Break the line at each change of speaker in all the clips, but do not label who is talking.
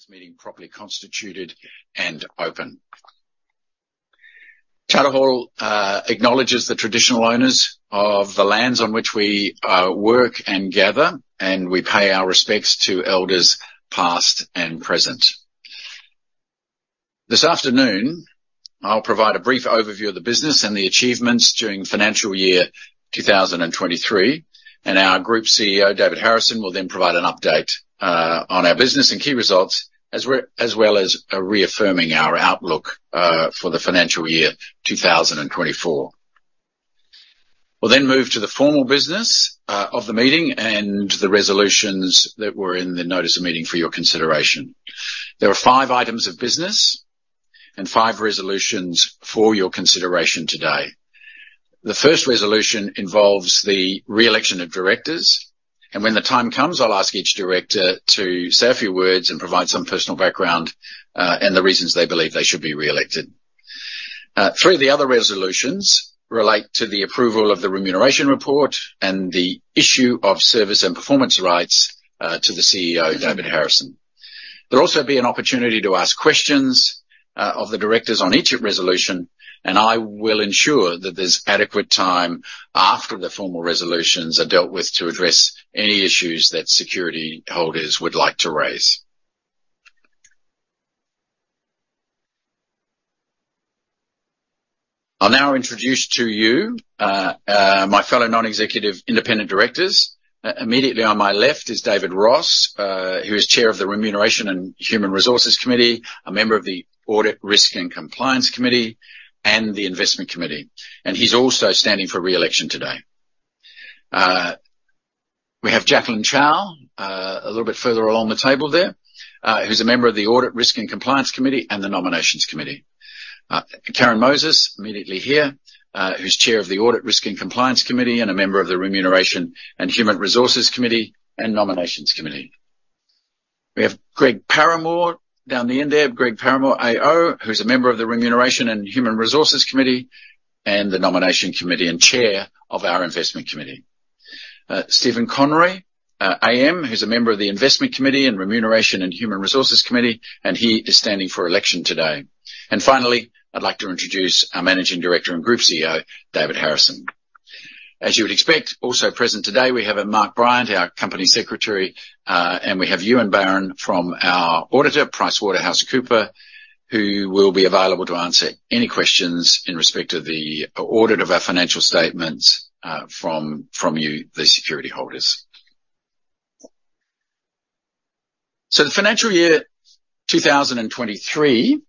This meeting properly constituted and open. Charter Hall acknowledges the traditional owners of the lands on which we work and gather, and we pay our respects to elders past and present. This afternoon, I'll provide a brief overview of the business and the achievements during financial year 2023, and our Group CEO, David Harrison, will then provide an update on our business and key results, as we're as well as reaffirming our outlook for the financial year 2024. We'll then move to the formal business of the meeting, and the resolutions that were in the Notice of Meeting for your consideration. There are five items of business and five resolutions for your consideration today. The first resolution involves the re-election of directors, and when the time comes, I'll ask each director to say a few words and provide some personal background, and the reasons they believe they should be re-elected. Three of the other resolutions relate to the approval of the remuneration report and the issue of service and performance rights to the CEO, David Harrison. There'll also be an opportunity to ask questions of the directors on each resolution, and I will ensure that there's adequate time after the formal resolutions are dealt with to address any issues that security holders would like to raise. I'll now introduce to you my fellow non-executive independent directors. Immediately on my left is David Ross, who is Chair of the Remuneration and Human Resources Committee, a member of the Audit, Risk and Compliance Committee, and the Investment Committee, and he's also standing for re-election today. We have Jacqueline Chow, a little bit further along the table there, who's a member of the Audit, Risk and Compliance Committee, and the Nominations Committee. Karen Moses, immediately here, who's Chair of the Audit, Risk and Compliance Committee, and a member of the Remuneration and Human Resources Committee, and Nominations Committee. We have Greg Paramor, down the end there. Greg Paramor AO, who's a member of the Remuneration and Human Resources Committee, and the Nomination Committee, and Chair of our Investment Committee. Stephen Conry, AM, who's a member of the Investment Committee and Remuneration and Human Resources Committee, and he is standing for election today. And finally, I'd like to introduce our Managing Director and Group CEO, David Harrison. As you would expect, also present today, we have, Mark Bryant, our Company Secretary, and we have Ewan Barron from our auditor, PricewaterhouseCoopers, who will be available to answer any questions in respect of the audit of our financial statements, from you, the security holders. So the financial year, 2023,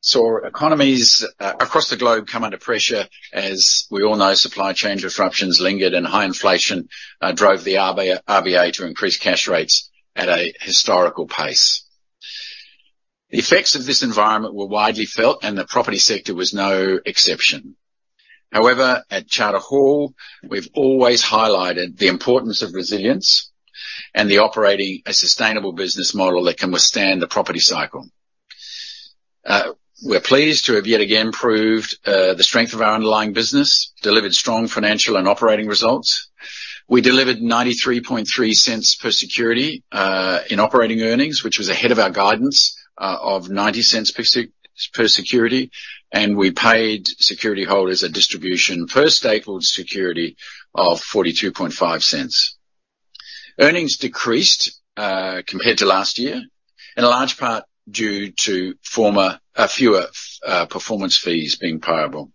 saw economies across the globe come under pressure. As we all know, supply chain disruptions lingered, and high inflation drove the RBA to increase cash rates at a historical pace. The effects of this environment were widely felt, and the property sector was no exception. However, at Charter Hall, we've always highlighted the importance of resilience and operating a sustainable business model that can withstand the property cycle. We're pleased to have yet again proved the strength of our underlying business, delivered strong financial and operating results. We delivered 0.933 per security in operating earnings, which was ahead of our guidance of 0.90 per security, and we paid security holders a distribution per stapled security of 0.425. Earnings decreased compared to last year, in large part due to fewer performance fees being payable.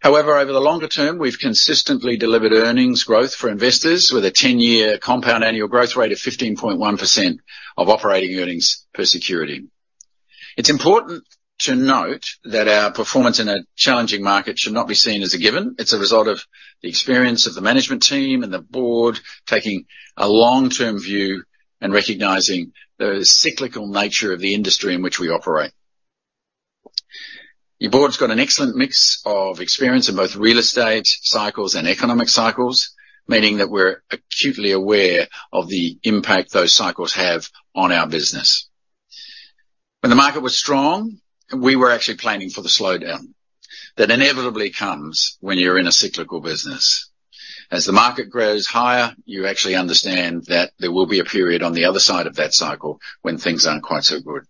However, over the longer term, we've consistently delivered earnings growth for investors with a 10-year compound annual growth rate of 15.1% of operating earnings per security. It's important to note that our performance in a challenging market should not be seen as a given. It's a result of the experience of the management team and the board, taking a long-term view and recognizing the cyclical nature of the industry in which we operate. Your board's got an excellent mix of experience in both real estate cycles and economic cycles, meaning that we're acutely aware of the impact those cycles have on our business. When the market was strong, we were actually planning for the slowdown that inevitably comes when you're in a cyclical business. As the market grows higher, you actually understand that there will be a period on the other side of that cycle when things aren't quite so good.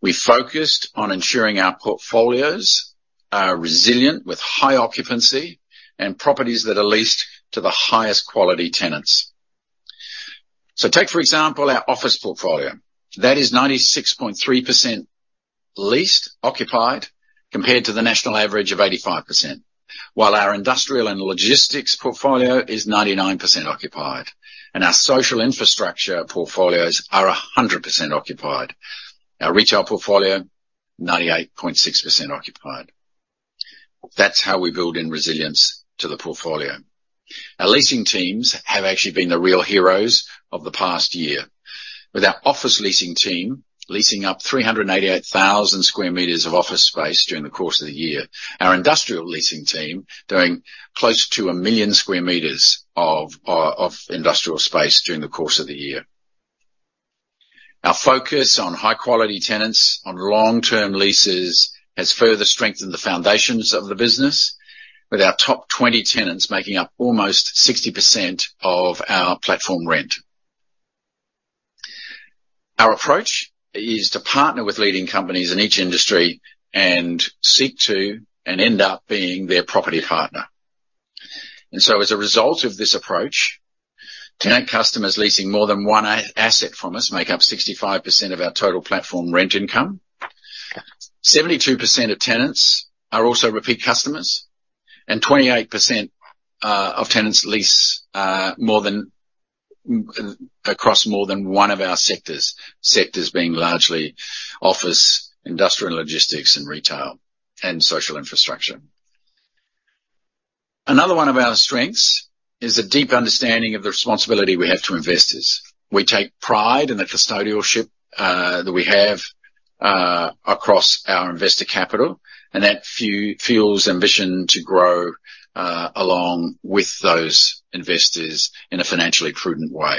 We focused on ensuring our portfolios are resilient, with high occupancy and properties that are leased to the highest quality tenants. So take, for example, our office portfolio. That is 96.3% leased, occupied, compared to the national average of 85%, while our industrial and logistics portfolio is 99% occupied, and our social infrastructure portfolios are 100% occupied. Our retail portfolio, 98.6% occupied. That's how we build in resilience to the portfolio. Our leasing teams have actually been the real heroes of the past year, with our office leasing team leasing up 388,000 sqm of office space during the course of the year. Our industrial leasing team doing close to 1 million sqm of industrial space during the course of the year. Our focus on high-quality tenants on long-term leases has further strengthened the foundations of the business, with our top 20 tenants making up almost 60% of our platform rent. Our approach is to partner with leading companies in each industry and seek to, and end up being their property partner. So as a result of this approach, tenant customers leasing more than one asset from us make up 65% of our total platform rent income. 72% of tenants are also repeat customers, and 28% of tenants lease across more than one of our sectors. Sectors being largely office, industrial, logistics, and retail, and social infrastructure. Another one of our strengths is a deep understanding of the responsibility we have to investors. We take pride in the custodianship that we have across our investor capital, and that fuels ambition to grow along with those investors in a financially prudent way.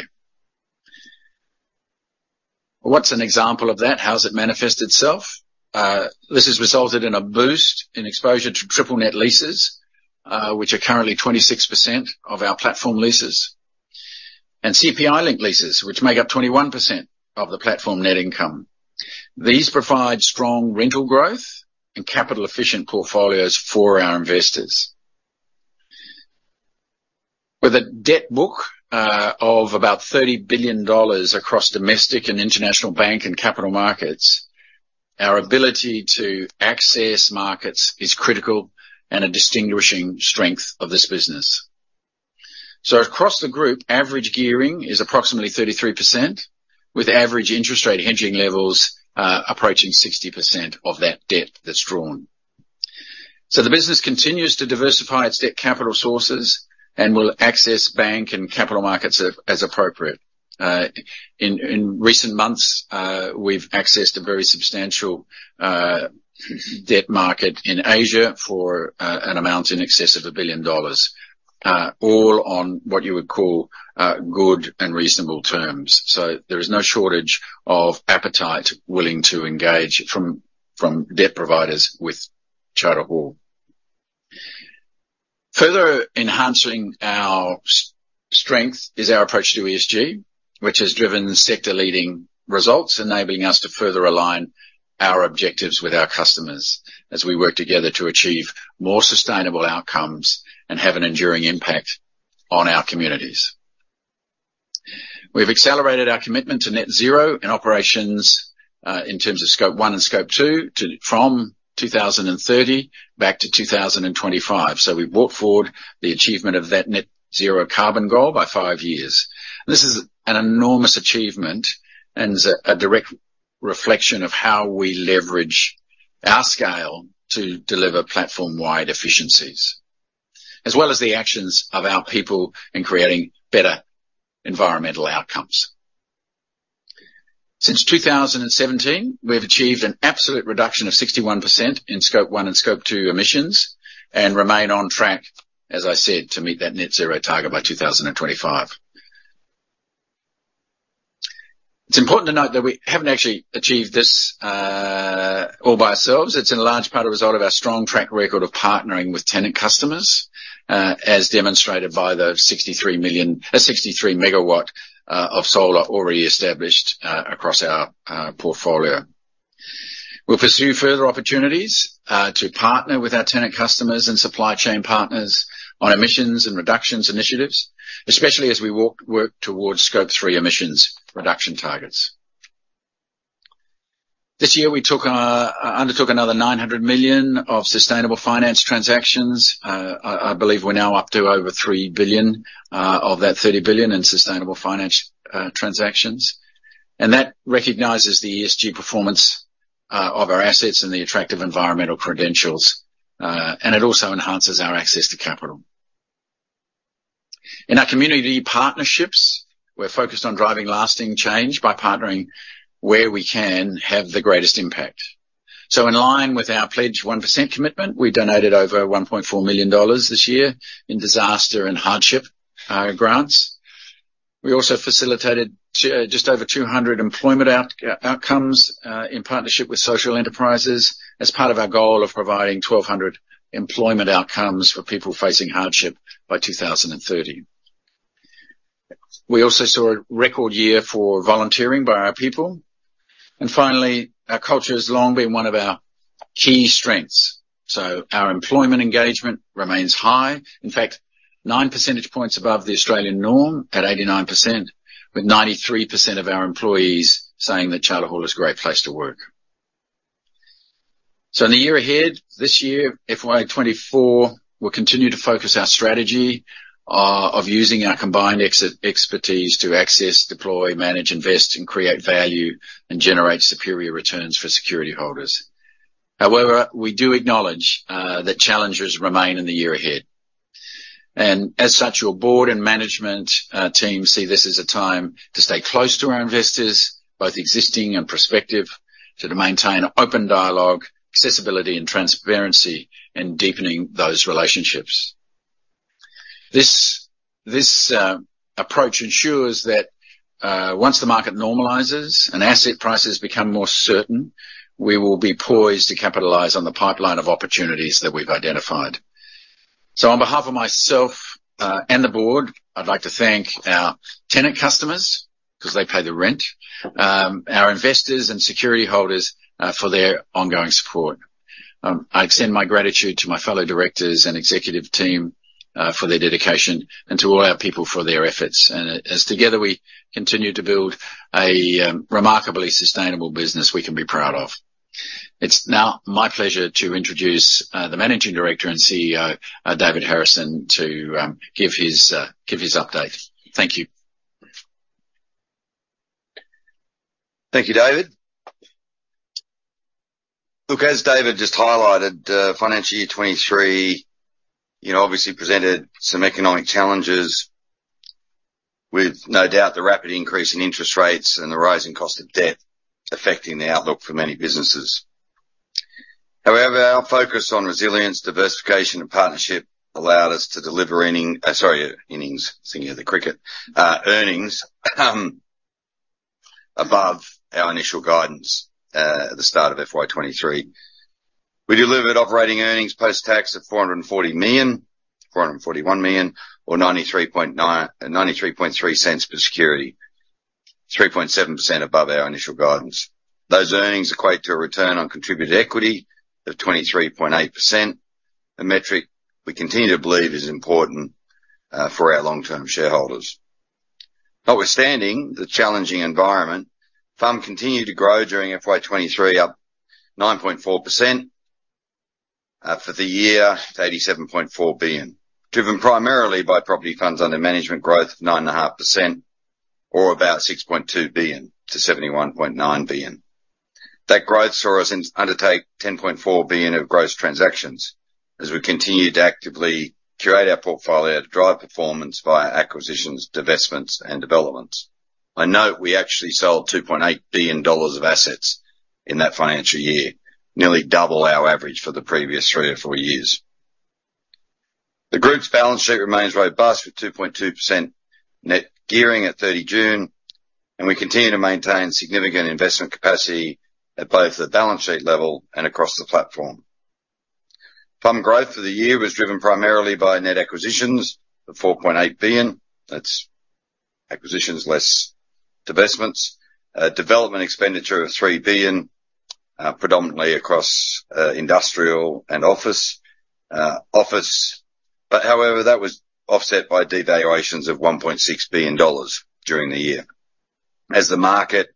What's an example of that? How does it manifest itself? This has resulted in a boost in exposure to triple net leases, which are currently 26% of our platform leases, and CPI-linked leases, which make up 21% of the platform net income. These provide strong rental growth and capital-efficient portfolios for our investors. With a debt book of about 30 billion dollars across domestic and international bank and capital markets, our ability to access markets is critical and a distinguishing strength of this business. So across the group, average gearing is approximately 33%, with average interest rate hedging levels approaching 60% of that debt that's drawn. So the business continues to diversify its debt capital sources and will access bank and capital markets as appropriate. In recent months, we've accessed a very substantial debt market in Asia for an amount in excess of 1 billion dollars, all on what you would call good and reasonable terms. So there is no shortage of appetite willing to engage from debt providers with Charter Hall. Further enhancing our strength is our approach to ESG, which has driven sector-leading results, enabling us to further align our objectives with our customers as we work together to achieve more sustainable outcomes and have an enduring impact on our communities. We've accelerated our commitment to net zero in operations, in terms of Scope 1 and Scope 2, from 2030 back to 2025. So we've brought forward the achievement of that net zero carbon goal by five years. This is an enormous achievement and is a direct reflection of how we leverage our scale to deliver platform-wide efficiencies, as well as the actions of our people in creating better environmental outcomes. Since 2017, we have achieved an absolute reduction of 61% in Scope 1 and Scope 2 emissions, and remain on track, as I said, to meet that net zero target by 2025. It's important to note that we haven't actually achieved this all by ourselves. It's in large part a result of our strong track record of partnering with tenant customers, as demonstrated by the sixty-three megawatt of solar already established across our portfolio. We'll pursue further opportunities to partner with our tenant customers and supply chain partners on emissions and reductions initiatives, especially as we work towards Scope 3 emissions reduction targets. This year, we undertook another 900 million of sustainable finance transactions. I believe we're now up to over 3 billion of that 30 billion in sustainable finance transactions. And that recognizes the ESG performance of our assets and the attractive environmental credentials, and it also enhances our access to capital. In our community partnerships, we're focused on driving lasting change by partnering where we can have the greatest impact. So in line with our pledge to 1% commitment, we donated over 1.4 million dollars this year in disaster and hardship grants. We also facilitated just over 200 employment outcomes in partnership with social enterprises, as part of our goal of providing 1,200 employment outcomes for people facing hardship by 2030. We also saw a record year for volunteering by our people. Finally, our culture has long been one of our key strengths, so our employment engagement remains high. In fact, nine percentage points above the Australian norm, at 89%, with 93% of our employees saying that Charter Hall is a great place to work. So in the year ahead, this year, FY 2024, we'll continue to focus our strategy of using our combined expertise to access, deploy, manage, invest, and create value, and generate superior returns for security holders. However, we do acknowledge that challenges remain in the year ahead. As such, your board and management team see this as a time to stay close to our investors, both existing and prospective, so to maintain open dialogue, accessibility, and transparency in deepening those relationships. This approach ensures that once the market normalizes and asset prices become more certain, we will be poised to capitalize on the pipeline of opportunities that we've identified. So on behalf of myself and the board, I'd like to thank our tenant customers, 'cause they pay the rent, our investors and security holders for their ongoing support. I extend my gratitude to my fellow directors and executive team for their dedication, and to all our people for their efforts. And as together, we continue to build a remarkably sustainable business we can be proud of. It's now my pleasure to introduce the Managing Director and CEO, David Harrison, to give his update. Thank you.
Thank you, David. Look, as David just highlighted, financial year 2023, you know, obviously presented some economic challenges, with no doubt, the rapid increase in interest rates and the rising cost of debt affecting the outlook for many businesses. However, our focus on resilience, diversification, and partnership allowed us to deliver inning-- Sorry, innings, thinking of the cricket. Earnings, above our initial guidance, at the start of FY 2023. We delivered operating earnings post-tax of 441 million, or 0.933 per security, 3.7% above our initial guidance. Those earnings equate to a return on contributed equity of 23.8%, a metric we continue to believe is important, for our long-term shareholders. Notwithstanding the challenging environment, FUM continued to grow during FY 2023, up 9.4%, for the year to 87.4 billion, driven primarily by property funds under management growth of 9.5%, or about 6.2 billion, to 71.9 billion. That growth saw us undertake 10.4 billion of gross transactions as we continued to actively curate our portfolio to drive performance via acquisitions, divestments, and developments. I note we actually sold 2.8 billion dollars of assets in that financial year, nearly double our average for the previous three or four years. The group's balance sheet remains robust, with 2.2% net gearing at 30 June, and we continue to maintain significant investment capacity at both the balance sheet level and across the platform. FUM growth for the year was driven primarily by net acquisitions of 4.8 billion. That's acquisitions less divestments. Development expenditure of 3 billion, predominantly across industrial and office. But however, that was offset by devaluations of 1.6 billion dollars during the year. As the market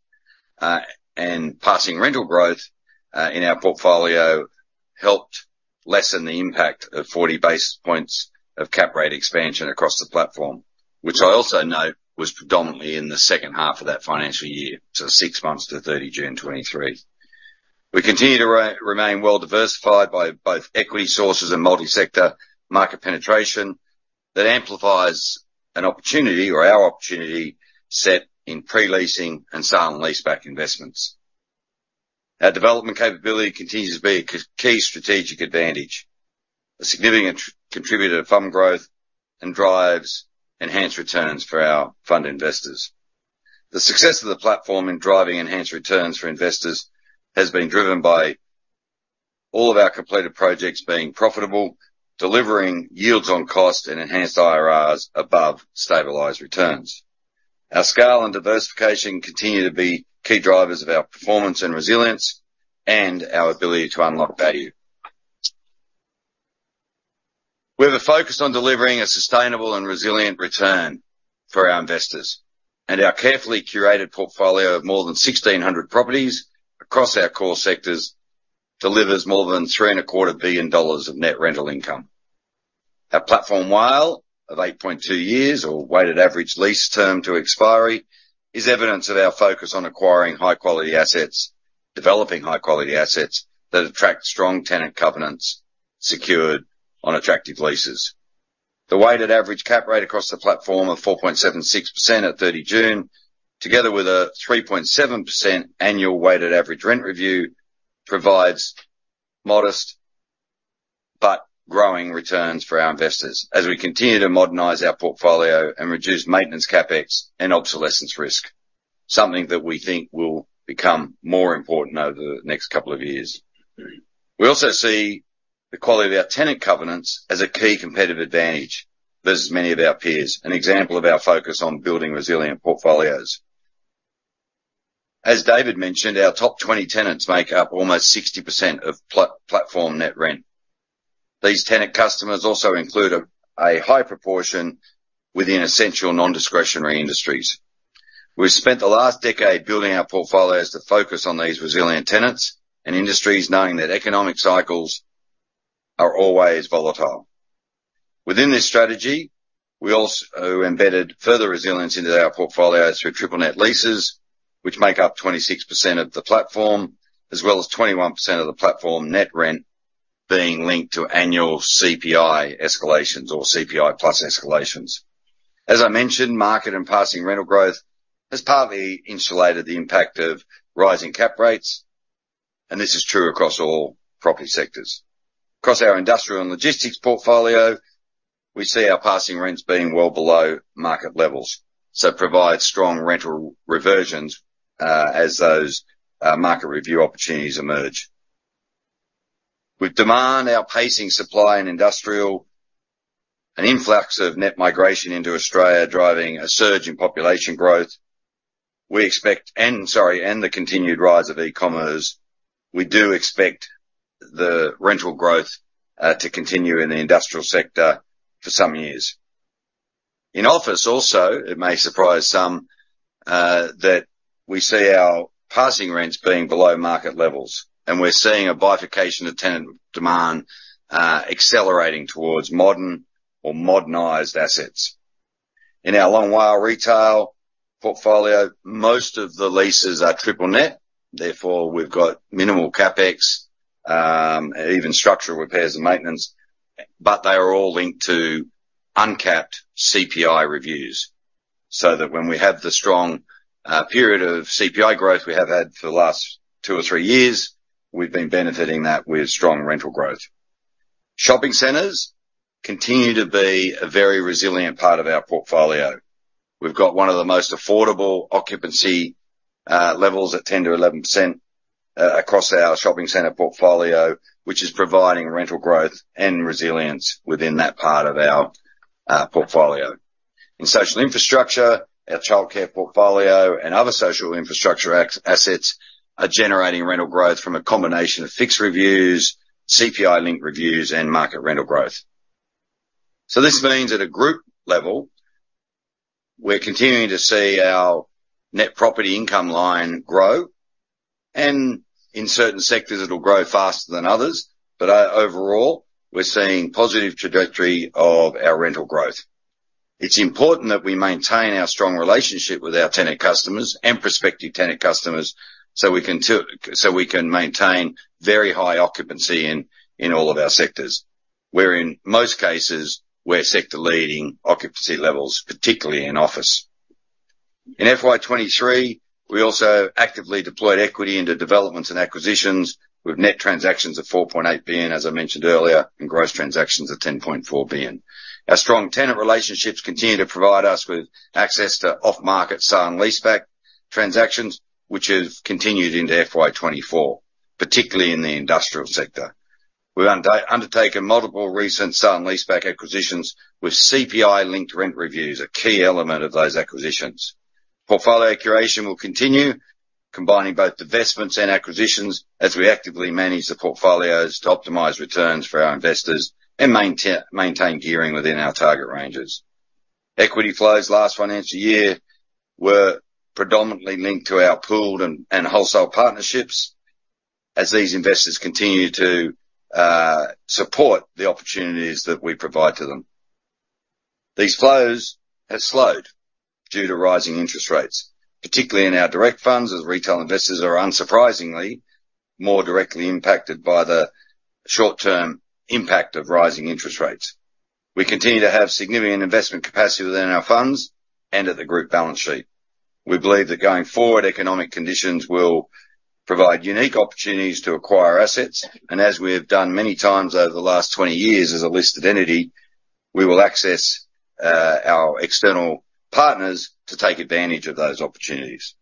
and passing rental growth in our portfolio helped lessen the impact of 40 basis points of cap rate expansion across the platform, which I also note was predominantly in the second half of that financial year, so six months to 30 June 2023. We continue to remain well diversified by both equity sources and multi-sector market penetration that amplifies an opportunity, or our opportunity, set in pre-leasing and sale and leaseback investments. Our development capability continues to be a key strategic advantage, a significant contributor to FUM growth, and drives enhanced returns for our fund investors. The success of the platform in driving enhanced returns for investors has been driven by all of our completed projects being profitable, delivering yields on cost and enhanced IRRs above stabilized returns. Our scale and diversification continue to be key drivers of our performance and resilience, and our ability to unlock value. We have a focus on delivering a sustainable and resilient return for our investors, and our carefully curated portfolio of more than 1,600 properties across our core sectors, delivers more than 3.25 billion dollars of net rental income. Our platform WALE of 8.2 years, or weighted average lease term to expiry, is evidence of our focus on acquiring high-quality assets, developing high-quality assets, that attract strong tenant covenants secured on attractive leases. The weighted average cap rate across the platform of 4.76% at June 30, together with a 3.7% annual weighted average rent review, provides modest but growing returns for our investors as we continue to modernize our portfolio and reduce maintenance CapEx and obsolescence risk, something that we think will become more important over the next couple of years. We also see the quality of our tenant covenants as a key competitive advantage versus many of our peers, an example of our focus on building resilient portfolios. As David mentioned, our top 20 tenants make up almost 60% of platform net rent. These tenant customers also include a high proportion within essential non-discretionary industries. We've spent the last decade building our portfolios to focus on these resilient tenants and industries, knowing that economic cycles are always volatile. Within this strategy, we also embedded further resilience into our portfolios through triple net leases, which make up 26% of the platform, as well as 21% of the platform net rent being linked to annual CPI escalations or CPI plus escalations. As I mentioned, market and passing rental growth has partly insulated the impact of rising cap rates. This is true across all property sectors. Across our industrial and logistics portfolio, we see our passing rents being well below market levels, so it provides strong rental reversions as those market review opportunities emerge. With demand outpacing supply and industrial, an influx of net migration into Australia, driving a surge in population growth, we expect, and the continued rise of e-commerce, we do expect the rental growth to continue in the industrial sector for some years. In office, also, it may surprise some that we see our passing rents being below market levels, and we're seeing a bifurcation of tenant demand accelerating towards modern or modernized assets. In our Long WALE retail portfolio, most of the leases are triple net, therefore we've got minimal CapEx, even structural repairs and maintenance, but they are all linked to uncapped CPI reviews, so that when we have the strong period of CPI growth we have had for the last two or three years, we've been benefiting that with strong rental growth. Shopping centers continue to be a very resilient part of our portfolio. We've got one of the most affordable occupancy levels at 10%-11% across our shopping center portfolio, which is providing rental growth and resilience within that part of our portfolio. In social infrastructure, our childcare portfolio and other social infrastructure assets are generating rental growth from a combination of fixed reviews, CPI-linked reviews, and market rental growth. So this means at a group level, we're continuing to see our net property income line grow, and in certain sectors it'll grow faster than others. But overall, we're seeing positive trajectory of our rental growth. It's important that we maintain our strong relationship with our tenant customers and prospective tenant customers, so we can maintain very high occupancy in all of our sectors, where in most cases, we're sector-leading occupancy levels, particularly in office. In FY 2023, we also actively deployed equity into developments and acquisitions, with net transactions of 4.8 billion, as I mentioned earlier, and gross transactions of 10.4 billion. Our strong tenant relationships continue to provide us with access to off-market sale and leaseback transactions, which have continued into FY 2024, particularly in the industrial sector. We've undertaken multiple recent sale and leaseback acquisitions, with CPI-linked rent reviews a key element of those acquisitions. Portfolio curation will continue, combining both divestments and acquisitions, as we actively manage the portfolios to optimize returns for our investors and maintain gearing within our target ranges. Equity flows last financial year were predominantly linked to our pooled and wholesale partnerships, as these investors continue to support the opportunities that we provide to them. These flows have slowed due to rising interest rates, particularly in our direct funds, as retail investors are unsurprisingly more directly impacted by the short-term impact of rising interest rates. We continue to have significant investment capacity within our funds and at the group balance sheet. We believe that going forward, economic conditions will provide unique opportunities to acquire assets, and as we have done many times over the last 20 years as a listed entity, we will access our external partners to take advantage of those opportunities.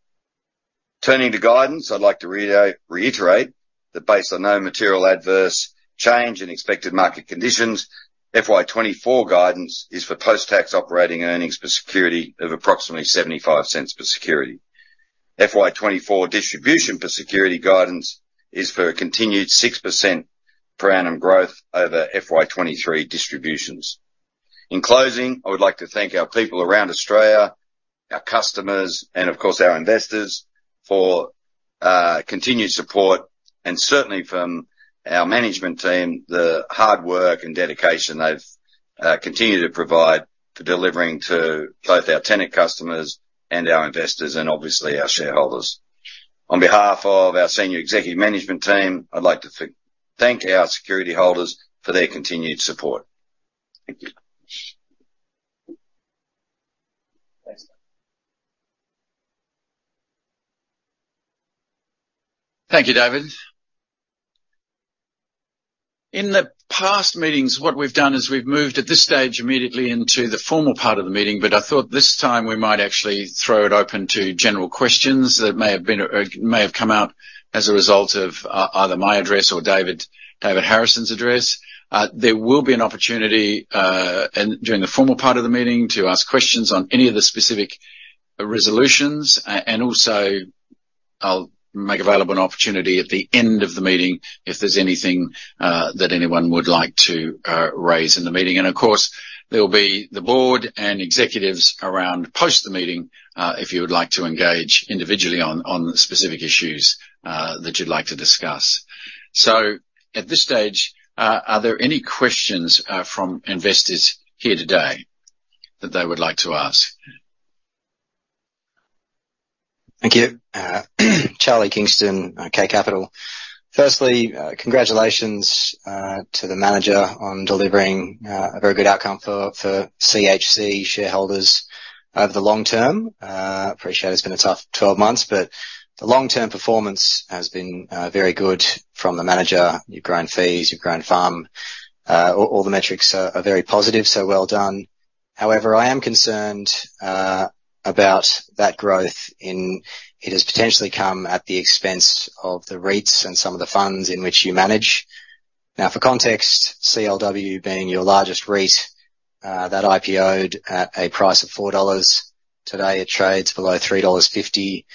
Turning to guidance, I'd like to reiterate that based on no material adverse change in expected market conditions, FY 2024 guidance is for post-tax operating earnings per security of approximately 0.75 per security. FY 2024 distribution per security guidance is for a continued 6% per annum growth over FY 2023 distributions. In closing, I would like to thank our people around Australia, our customers, and of course, our investors, for continued support. And certainly from our management team, the hard work and dedication they've continued to provide to delivering to both our tenant customers and our investors, and obviously our shareholders. On behalf of our senior executive management team, I'd like to thank our security holders for their continued support. Thank you.
Thank you, David. In the past meetings, what we've done is, we've moved at this stage immediately into the formal part of the meeting, but I thought this time we might actually throw it open to general questions that may have been, or may have come out as a result of, either my address or David, David Harrison's address. There will be an opportunity, and during the formal part of the meeting, to ask questions on any of the specific resolutions. And also, I'll make available an opportunity at the end of the meeting if there's anything that anyone would like to raise in the meeting. And of course, there will be the board and executives around post the meeting, if you would like to engage individually on, on specific issues that you'd like to discuss. At this stage, are there any questions from investors here today that they would like to ask? ...
Thank you. Charlie Kingston, K Capital. Firstly, congratulations to the manager on delivering a very good outcome for CHC shareholders over the long term. Appreciate it's been a tough 12 months, but the long-term performance has been very good from the manager. You've grown fees, you've grown FUM. All the metrics are very positive, so well done. However, I am concerned about that growth in... It has potentially come at the expense of the REITs and some of the funds in which you manage. Now, for context, CLW being your largest REIT, that IPO'd at a price of 4 dollars. Today, it trades below 3.50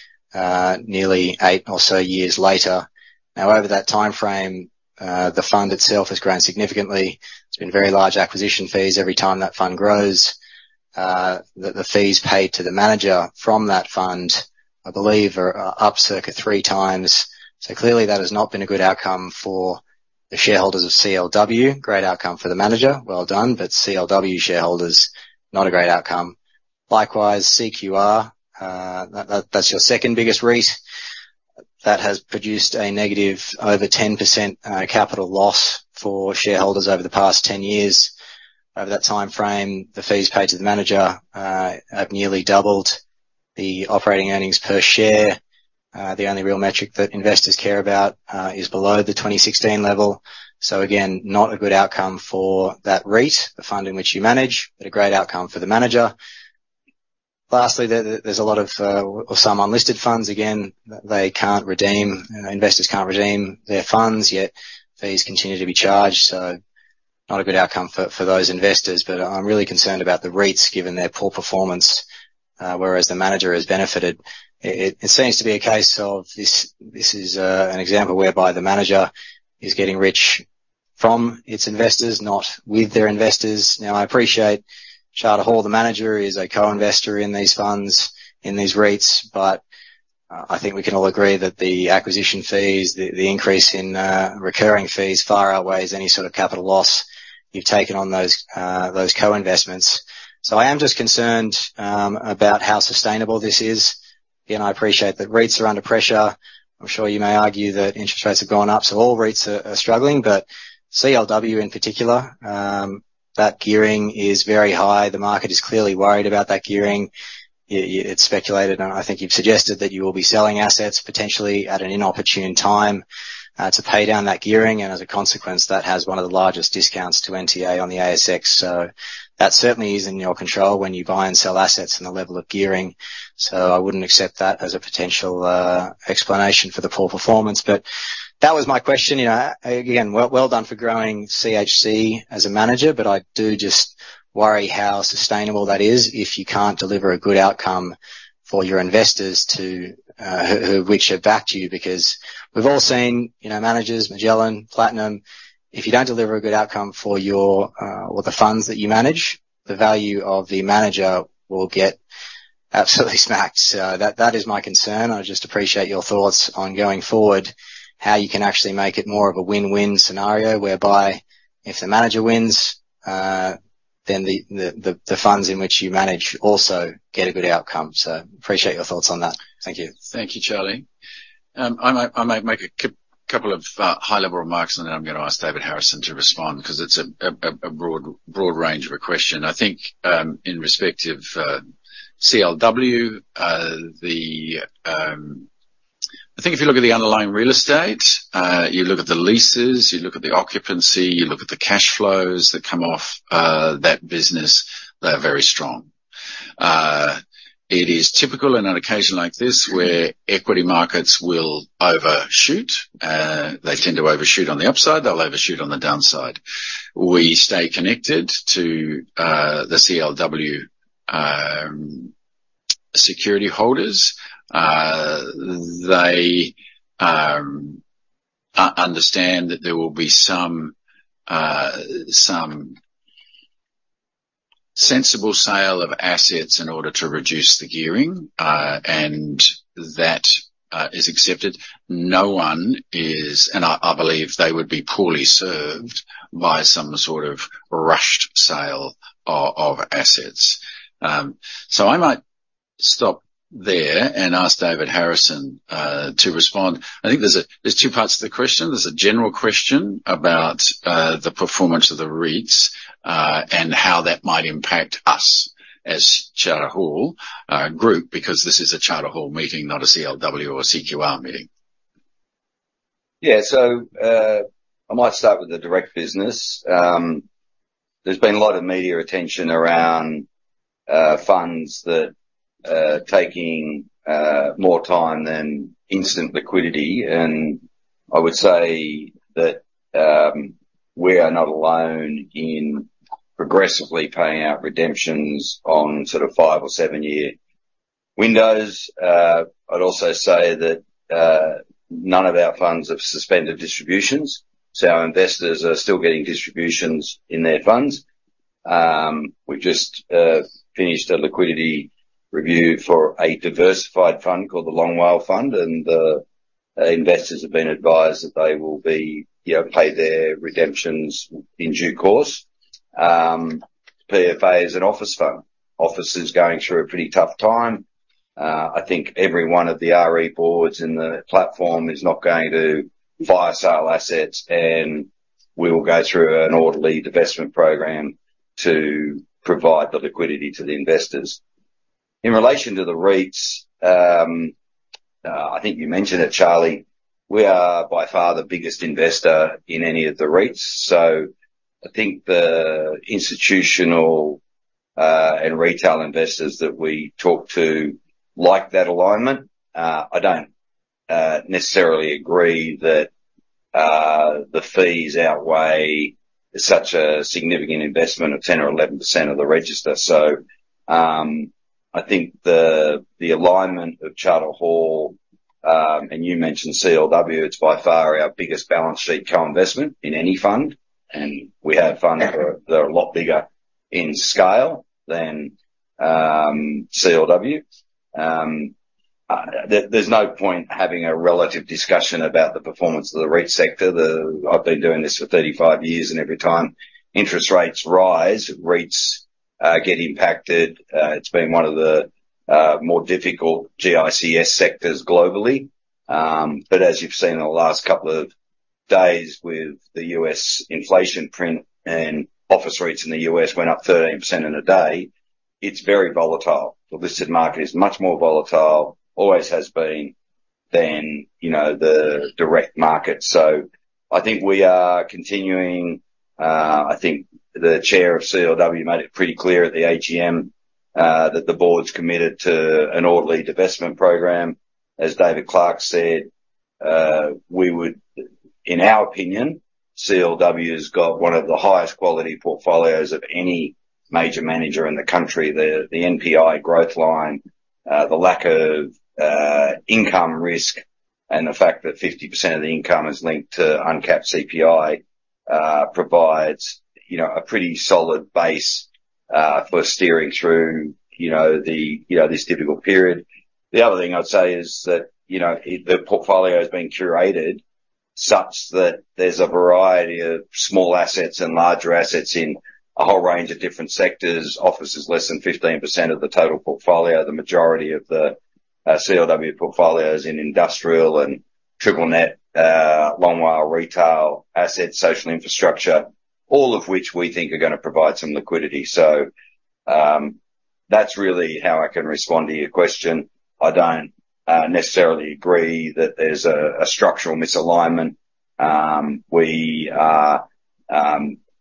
dollars, nearly eight or so years later. Now, over that timeframe, the fund itself has grown significantly. There's been very large acquisition fees every time that fund grows. The fees paid to the manager from that fund, I believe, are up circa three times. So clearly that has not been a good outcome for the shareholders of CLW. Great outcome for the manager, well done, but CLW shareholders, not a great outcome. Likewise, CQR, that, that's your second biggest REIT. That has produced a negative over 10%, capital loss for shareholders over the past 10 years. Over that timeframe, the fees paid to the manager have nearly doubled. The operating earnings per share, the only real metric that investors care about, is below the 2016 level. So again, not a good outcome for that REIT, the fund in which you manage, but a great outcome for the manager. Lastly, there's a lot of, or some unlisted funds, again, they can't redeem... Investors can't redeem their funds, yet fees continue to be charged, so not a good outcome for those investors. But I'm really concerned about the REITs, given their poor performance, whereas the manager has benefited. It seems to be a case of this is an example whereby the manager is getting rich from its investors, not with their investors. Now, I appreciate Charter Hall, the manager, is a co-investor in these funds, in these REITs, but I think we can all agree that the acquisition fees, the increase in recurring fees far outweighs any sort of capital loss you've taken on those co-investments. So I am just concerned about how sustainable this is. Again, I appreciate that REITs are under pressure. I'm sure you may argue that interest rates have gone up, so all REITs are struggling. But CLW in particular, that gearing is very high. The market is clearly worried about that gearing. It's speculated, and I think you've suggested that you will be selling assets, potentially at an inopportune time, to pay down that gearing, and as a consequence, that has one of the largest discounts to NTA on the ASX. So that certainly is in your control when you buy and sell assets and the level of gearing, so I wouldn't accept that as a potential explanation for the poor performance. But that was my question. You know, again, well, well done for growing CHC as a manager, but I do just worry how sustainable that is if you can't deliver a good outcome for your investors to, who reach out back to you. Because we've all seen, you know, managers, Magellan, Platinum, if you don't deliver a good outcome for your, or the funds that you manage, the value of the manager will get absolutely smacked. So that is my concern. I just appreciate your thoughts on going forward, how you can actually make it more of a win-win scenario, whereby if the manager wins, then the funds in which you manage also get a good outcome. So appreciate your thoughts on that. Thank you.
Thank you, Charlie. I might make a couple of high-level remarks, and then I'm going to ask David Harrison to respond, because it's a broad range of a question. I think, in respect of, CLW, I think if you look at the underlying real estate, you look at the leases, you look at the occupancy, you look at the cash flows that come off, that business, they're very strong. It is typical in an occasion like this, where equity markets will overshoot. They tend to overshoot on the upside. They'll overshoot on the downside. We stay connected to, the CLW, security holders. They understand that there will be some sensible sale of assets in order to reduce the gearing, and that is accepted. No one is... And I believe they would be poorly served by some sort of rushed sale of assets. So I might stop there and ask David Harrison to respond. I think there's two parts to the question. There's a general question about the performance of the REITs and how that might impact us as Charter Hall Group, because this is a Charter Hall meeting, not a CLW or CQR meeting.
Yeah. So, I might start with the direct business. There's been a lot of media attention around funds that are taking more time than instant liquidity, and I would say that we are not alone in progressively paying out redemptions on sort of five- or seven-year windows. I'd also say that none of our funds have suspended distributions, so our investors are still getting distributions in their funds. We've just finished a liquidity review for a diversified fund called Long WALE Fund, and... investors have been advised that they will be, you know, paid their redemptions in due course. PFA is an office fund. Office is going through a pretty tough time. I think every one of the RE boards in the platform is not going to fire sale assets, and we will go through an orderly divestment program to provide the liquidity to the investors. In relation to the REITs, I think you mentioned it, Charlie, we are by far the biggest investor in any of the REITs, so I think the institutional and retail investors that we talk to like that alignment. I don't necessarily agree that the fees outweigh such a significant investment of 10 or 11% of the register. So, I think the alignment of Charter Hall, and you mentioned CLW, it's by far our biggest balance sheet co-investment in any fund, and we have funds that are a lot bigger in scale than CLW. There's no point having a relative discussion about the performance of the REIT sector. The I've been doing this for 35 years, and every time interest rates rise, REITs get impacted. It's been one of the more difficult GICS sectors globally. But as you've seen in the last couple of days with the U.S. inflation print and office rates in the U.S. went up 13% in a day, it's very volatile. The listed market is much more volatile, always has been than, you know, the direct market. So I think we are continuing. I think the Chair of CLW made it pretty clear at the AGM, that the board's committed to an orderly divestment program. As David Clarke said, we would, in our opinion, CLW has got one of the highest quality portfolios of any major manager in the country. The NPI growth line, the lack of income risk, and the fact that 50% of the income is linked to uncapped CPI, provides, you know, a pretty solid base, for steering through, you know, the, you know, this difficult period. The other thing I'd say is that, you know, it, the portfolio has been curated such that there's a variety of small assets and larger assets in a whole range of different sectors. Office is less than 15% of the total portfolio. The majority of the CLW portfolio is in industrial and triple net Long WALE retail assets, social infrastructure, all of which we think are gonna provide some liquidity. So, that's really how I can respond to your question. I don't necessarily agree that there's a structural misalignment. We are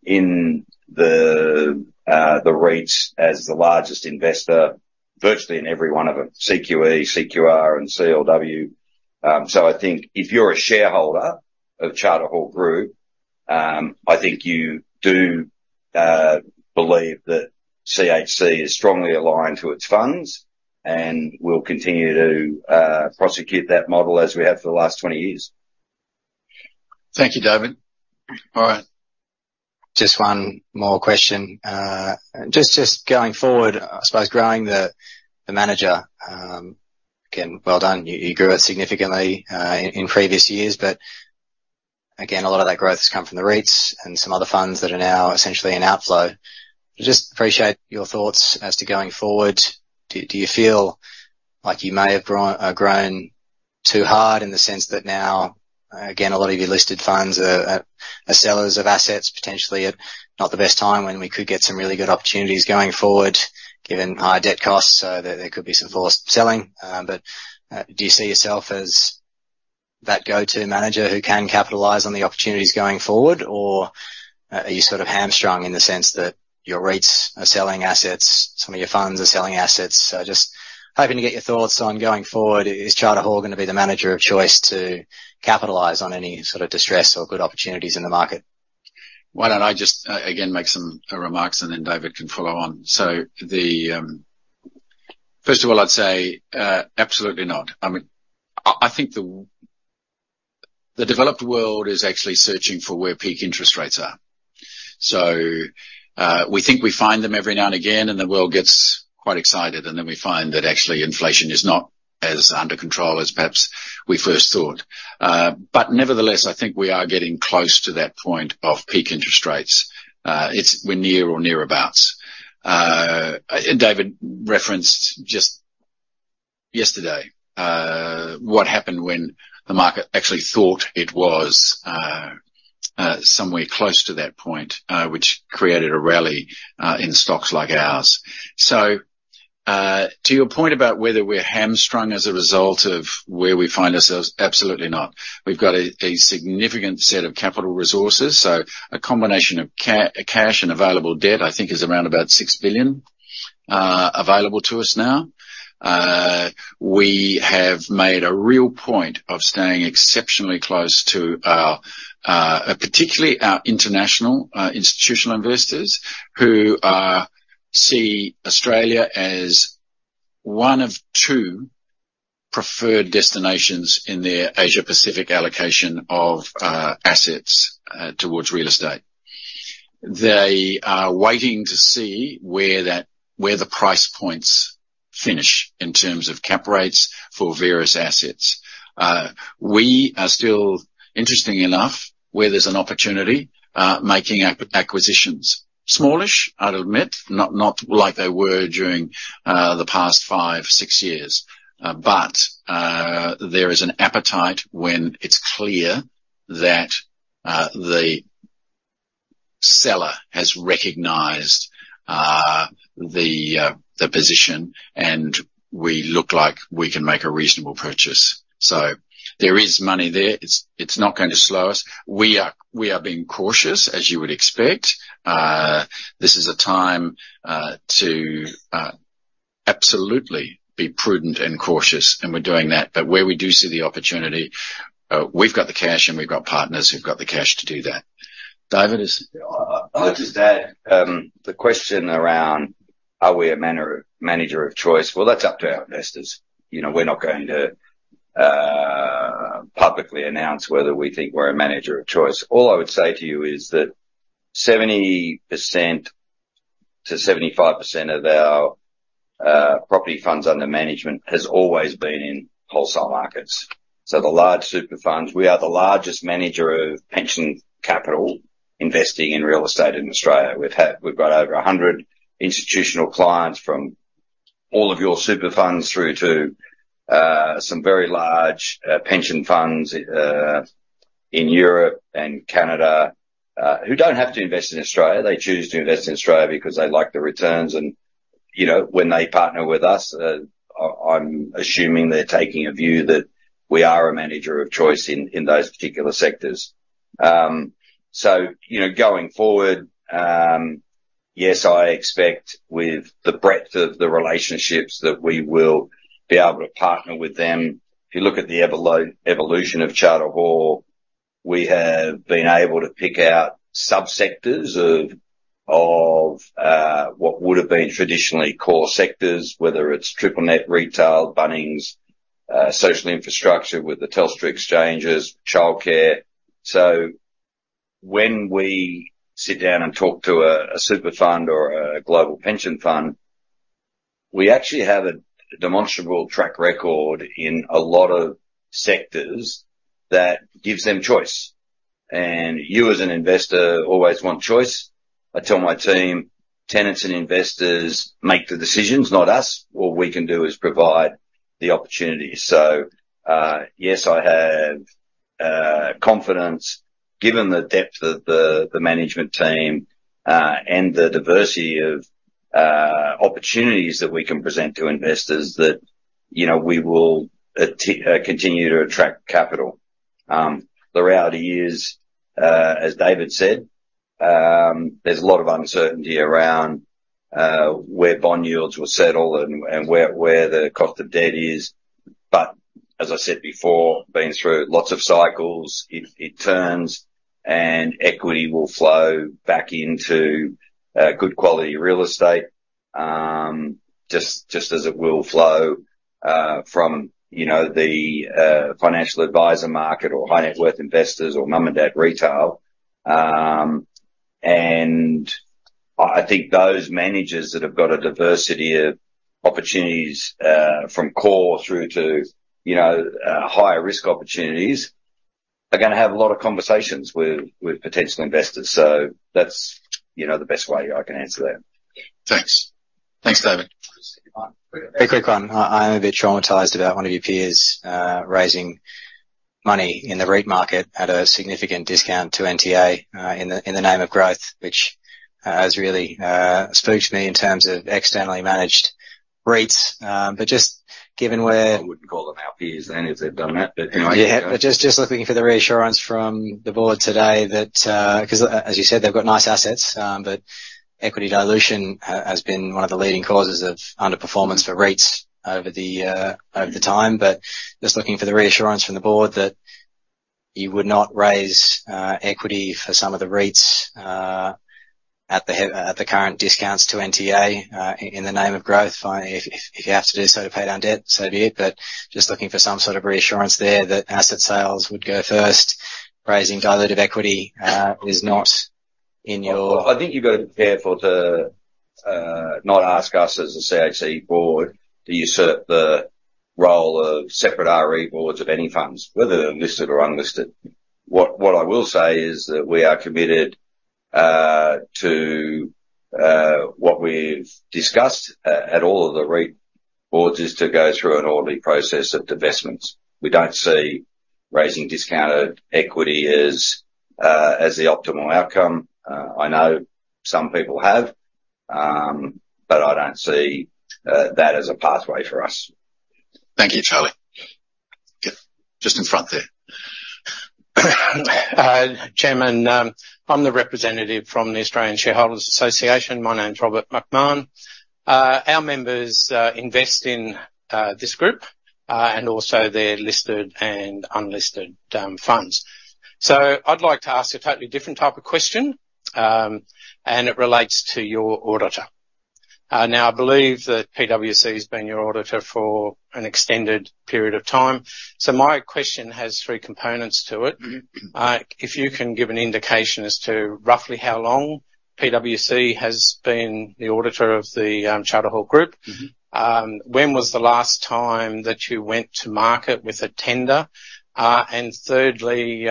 in the REITs as the largest investor, virtually in every one of them, CQE, CQR, and CLW. So, I think if you're a shareholder of Charter Hall Group, I think you do believe that CHC is strongly aligned to its funds, and we'll continue to prosecute that model as we have for the last 20 years.
Thank you, David. All right.
Just one more question. Just, just going forward, I suppose, growing the, the manager, again, well done. You, you grew it significantly, in, in previous years, but again, a lot of that growth has come from the REITs and some other funds that are now essentially an outflow. Just appreciate your thoughts as to going forward, do, do you feel like you may have grown, grown too hard in the sense that now, again, a lot of your listed funds are, are, are sellers of assets, potentially at not the best time, when we could get some really good opportunities going forward, given higher debt costs, so there, there could be some forced selling? But, do you see yourself as that go-to manager who can capitalize on the opportunities going forward, or are you sort of hamstrung in the sense that your REITs are selling assets, some of your funds are selling assets? So just hoping to get your thoughts on going forward, is Charter Hall gonna be the manager of choice to capitalize on any sort of distress or good opportunities in the market?
Why don't I just, again, make some remarks, and then David can follow on? So the first of all, I'd say, absolutely not. I mean, I think the developed world is actually searching for where peak interest rates are. So, we think we find them every now and again, and the world gets quite excited, and then we find that actually inflation is not as under control as perhaps we first thought. But nevertheless, I think we are getting close to that point of peak interest rates. It's - we're near or near about. And David referenced just yesterday, what happened when the market actually thought it was, somewhere close to that point, which created a rally, in stocks like ours. So, to your point about whether we're hamstrung as a result of where we find ourselves, absolutely not. We've got a significant set of capital resources, so a combination of cash and available debt, I think is around about 6 billion available to us now. We have made a real point of staying exceptionally close to our, particularly our international institutional investors, who see Australia as one of two preferred destinations in their Asia Pacific allocation of assets towards real estate. They are waiting to see where that, where the price points finish in terms of cap rates for various assets. We are still, interestingly enough, where there's an opportunity, making acquisitions. Smallish, I'll admit, not like they were during the past five, six years. But there is an appetite when it's clear that the seller has recognized the position, and we look like we can make a reasonable purchase. So there is money there. It's not going to slow us. We are being cautious, as you would expect. This is a time to absolutely be prudent and cautious, and we're doing that, but where we do see the opportunity, we've got the cash, and we've got partners who've got the cash to do that. David is-
I'll just add the question around, are we a manager of choice? Well, that's up to our investors. You know, we're not going to publicly announce whether we think we're a manager of choice. All I would say to you is that 70%-75% of our property funds under management has always been in wholesale markets. So the large super funds, we are the largest manager of pension capital investing in real estate in Australia. We've had—we've got over 100 institutional clients, from all of your super funds through to some very large pension funds in Europe and Canada who don't have to invest in Australia. They choose to invest in Australia because they like the returns and, you know, when they partner with us, I’m assuming they’re taking a view that we are a manager of choice in those particular sectors. So, you know, going forward, yes, I expect with the breadth of the relationships that we will be able to partner with them. If you look at the evolution of Charter Hall, we have been able to pick out sub-sectors of what would have been traditionally core sectors, whether it’s triple net retail, Bunnings, social infrastructure with the Telstra exchanges, childcare. So when we sit down and talk to a super fund or a global pension fund, we actually have a demonstrable track record in a lot of sectors that gives them choice. And you, as an investor, always want choice. I tell my team, "Tenants and investors make the decisions, not us. What we can do is provide the opportunities." So, yes, I have confidence, given the depth of the management team and the diversity of opportunities that we can present to investors that, you know, we will continue to attract capital. The reality is, as David said, there's a lot of uncertainty around where bond yields will settle and where the cost of debt is, but as I said before, been through lots of cycles. It turns, and equity will flow back into good quality real estate, just as it will flow from, you know, the financial advisor market or high net worth investors or mom and dad retail. And I think those managers that have got a diversity of opportunities from core through to, you know, higher risk opportunities are gonna have a lot of conversations with potential investors. So that's, you know, the best way I can answer that.
Thanks. Thanks, David.
A quick one. I am a bit traumatized about one of your peers raising money in the REIT market at a significant discount to NTA in the name of growth, which has really spoke to me in terms of externally managed REITs. But just given where-
I wouldn't call them our peers anyways if they've done that, but anyway.
Yeah, but just, just looking for the reassurance from the board today that... 'cause as you said, they've got nice assets, but equity dilution has, has been one of the leading causes of underperformance for REITs over the, over the time. But just looking for the reassurance from the board that you would not raise equity for some of the REITs at the current discounts to NTA in the name of growth. I mean, if, if, if you have to do so to pay down debt, so be it, but just looking for some sort of reassurance there that asset sales would go first. Raising dilutive equity is not in your-
I think you've got to be careful to not ask us, as a CHC board, to usurp the role of separate RE boards of any funds, whether they're listed or unlisted. What I will say is that we are committed to what we've discussed at all of the REIT boards, is to go through an orderly process of divestments. We don't see raising discounted equity as the optimal outcome. I know some people have, but I don't see that as a pathway for us.
Thank you, Charlie. Yeah, just in front there.
Chairman, I'm the representative from the Australian Shareholders' Association. My name's Robert MacMahon. Our members invest in this group and also their listed and unlisted funds. So I'd like to ask a totally different type of question, and it relates to your auditor. Now, I believe that PwC has been your auditor for an extended period of time. So my question has three components to it.
Mm-hmm.
If you can give an indication as to roughly how long PwC has been the auditor of the Charter Hall Group?
Mm-hmm.
When was the last time that you went to market with a tender? Thirdly,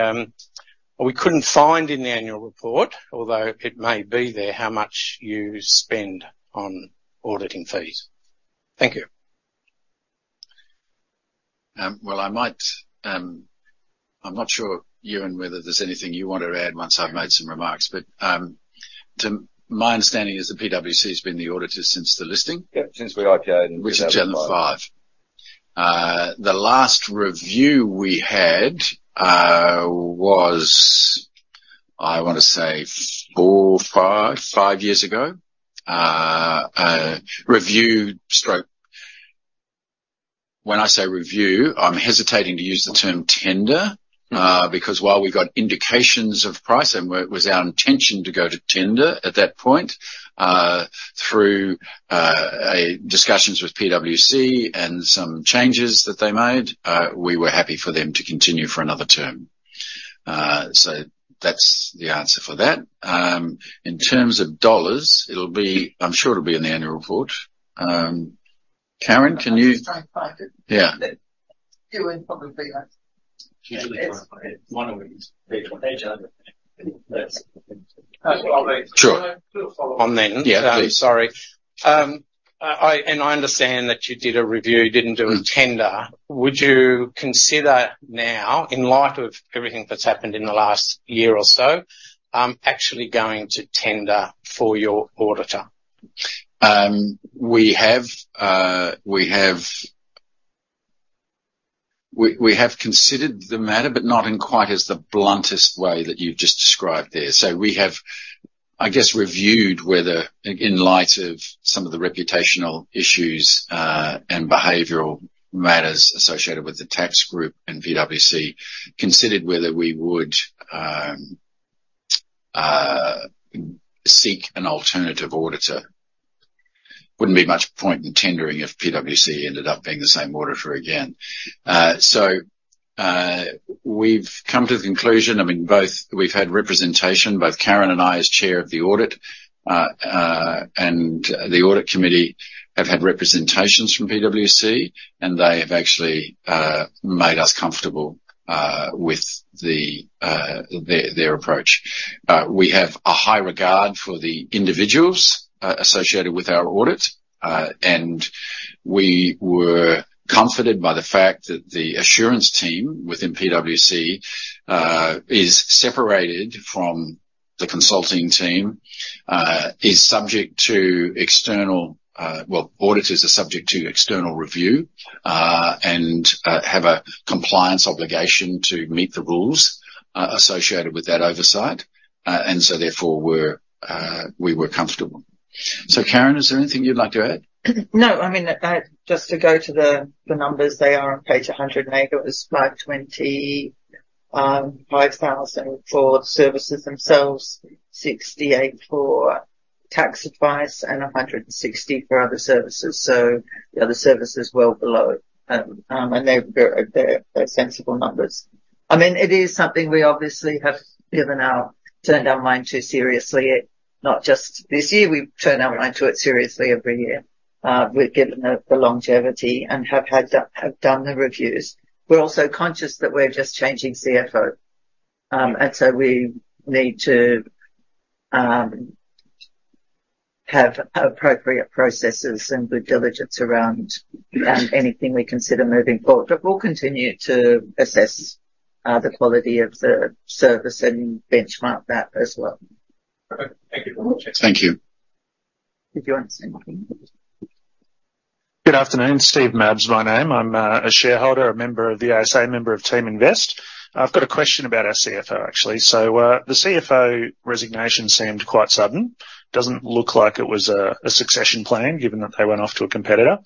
we couldn't find in the Annual Report, although it may be there, how much you spend on auditing fees. Thank you.
Well, I might, I'm not sure, Ewan, whether there's anything you want to add once I've made some remarks, but, to my understanding is that PwC has been the auditor since the listing?
Yep, since we IPO'd in 2005.
Which is 2005. The last review we had was, I want to say, four, five, five years ago. A review stroke-- When I say review, I'm hesitating to use the term tender, because while we got indications of price, and it was our intention to go to tender at that point, through a discussions with PwC and some changes that they made, we were happy for them to continue for another term. So that's the answer for that. In terms of dollars, it'll be-- I'm sure it'll be in the Annual Report. Karen, can you- Yeah.
It will probably be there.
Sure.
On then.
Yeah, please.
Sorry. I understand that you did a review, you didn't do a tender.
Mm.
Would you consider now, in light of everything that's happened in the last year or so, actually going to tender for your auditor?
We have considered the matter, but not in quite the bluntest way that you've just described there. So we have, I guess, reviewed whether, in light of some of the reputational issues and behavioral matters associated with the tax group and PwC, considered whether we would seek an alternative auditor. Wouldn't be much point in tendering if PwC ended up being the same auditor again. So we've come to the conclusion, I mean, both we've had representation, both Karen and I, as Chair of the Audit Committee, have had representations from PwC, and they have actually made us comfortable with their approach. We have a high regard for the individuals associated with our audit, and we were comforted by the fact that the assurance team within PwC is separated from the consulting team. Auditors are subject to external review and have a compliance obligation to meet the rules associated with that oversight. And so therefore, we were comfortable. So, Karen, is there anything you'd like to add?
No. I mean, just to go to the, the numbers, they are on page 108. It was 525,000 for services themselves, 68 for tax advice, and 160 for other services. So the other services, well below. And they're, they're, they're sensible numbers. I mean, it is something we obviously have given our—turned our mind to seriously, not just this year. We've turned our mind to it seriously every year, we've given the, the longevity and have done the reviews. We're also conscious that we're just changing CFO, and so we need to have appropriate processes and due diligence around anything we consider moving forward. But we'll continue to assess the quality of the service and benchmark that as well.
Okay. Thank you very much.
Thank you.
If you want to say anything.
Good afternoon. Steve Mabb, my name. I'm a shareholder, a member of the ASA, member of Team Invest. I've got a question about our CFO, actually. So, the CFO resignation seemed quite sudden. Doesn't look like it was a succession plan, given that they went off to a competitor.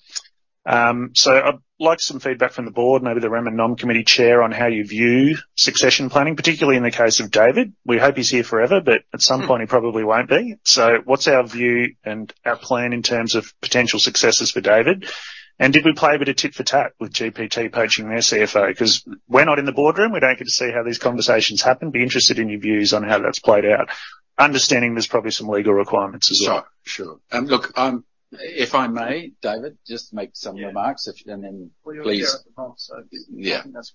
So I'd like some feedback from the board, maybe the Rem and Nom committee Chair, on how you view succession planning, particularly in the case of David. We hope he's here forever, but at some point, he probably won't be. So what's our view and our plan in terms of potential successes for David? And did we play a bit of tit for tat with GPT poaching their CFO? Because we're not in the boardroom, we don't get to see how these conversations happen. Be interested in your views on how that's played out, understanding there's probably some legal requirements as well.
Sure, sure. Look, if I may, David, just make some remarks, and then please-
Well, you're here, so-
Yeah.
That's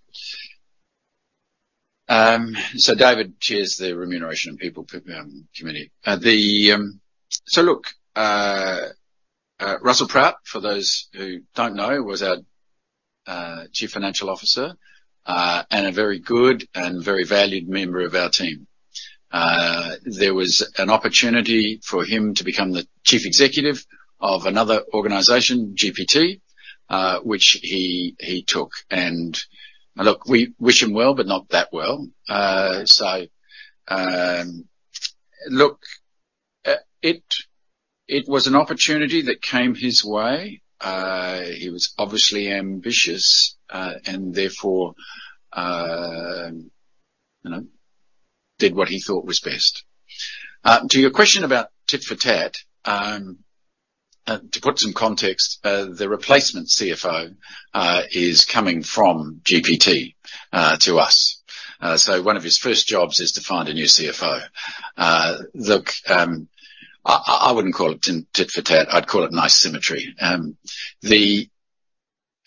good.
So David chairs the Remuneration and Human Resources Committee. So look, Russell Proutt, for those who don't know, was our Chief Financial Officer, and a very good and very valued member of our team. There was an opportunity for him to become the chief executive of another organization, GPT, which he took. And look, we wish him well, but not that well. So look, it was an opportunity that came his way. He was obviously ambitious, and therefore, you know, did what he thought was best. To your question about tit for tat, to put some context, the replacement CFO is coming from GPT to us. So one of his first jobs is to find a new CFO. Look, I wouldn't call it tit for tat, I'd call it nice symmetry.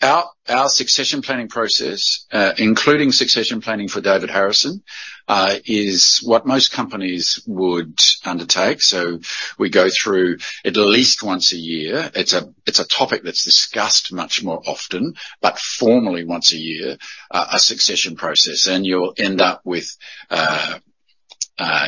Our succession planning process, including succession planning for David Harrison, is what most companies would undertake. We go through at least once a year. It's a topic that's discussed much more often, but formally once a year, a succession process. You'll end up with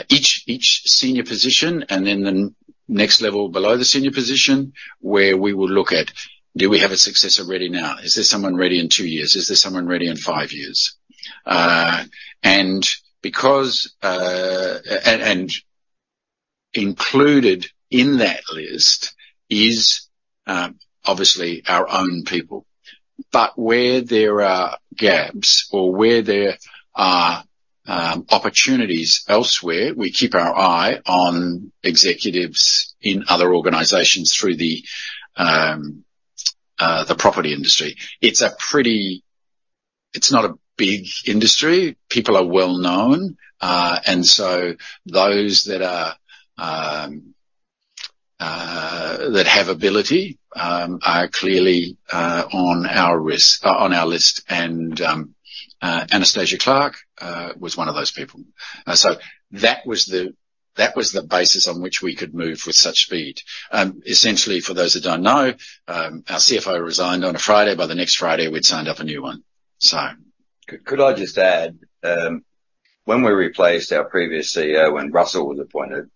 each senior position, and then the next level below the senior position, where we will look at: Do we have a successor ready now? Is there someone ready in two years? Is there someone ready in five years? And included in that list is, obviously, our own people. But where there are gaps or where there are opportunities elsewhere, we keep our eye on executives in other organizations through the property industry. It's not a big industry. People are well known. And so those that have ability are clearly on our radar, on our list, and Anastasia Clarke was one of those people. So that was the basis on which we could move with such speed. Essentially, for those that don't know, our CFO resigned on a Friday. By the next Friday, we'd signed up a new one. So-
Could I just add, when we replaced our previous CFO, when Russell was appointed,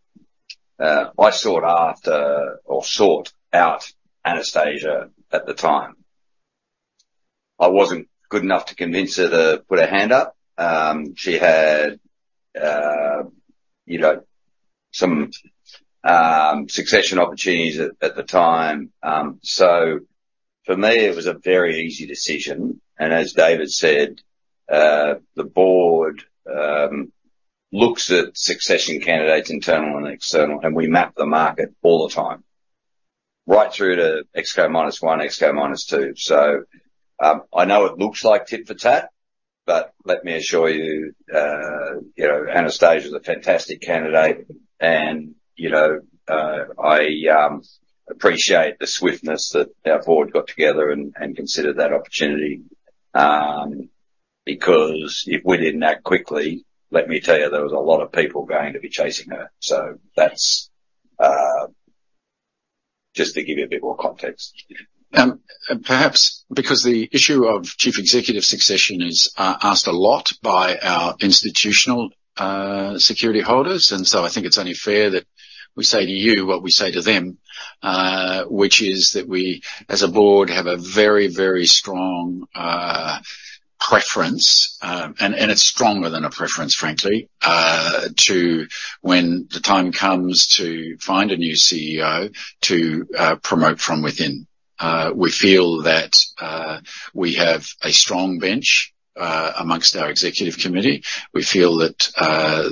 I sought after, or sought out Anastasia at the time. I wasn't good enough to convince her to put her hand up. She had, you know, some succession opportunities at the time. So for me, it was a very easy decision. And as David said, the board looks at succession candidates, internal and external, and we map the market all the time, right through to ExCo -1, ExCo -2. So I know it looks like tit for tat, but let me assure you, you know, Anastasia's a fantastic candidate. And, you know, I appreciate the swiftness that our board got together and considered that opportunity. Because if we didn't act quickly, let me tell you, there was a lot of people going to be chasing her. So that's just to give you a bit more context.
Perhaps because the issue of Chief Executive succession is asked a lot by our institutional security holders, and so I think it's only fair that we say to you what we say to them, which is that we, as a board, have a very, very strong preference. And it's stronger than a preference, frankly, to when the time comes to find a new CEO, to promote from within. We feel that we have a strong bench amongst our executive committee. We feel that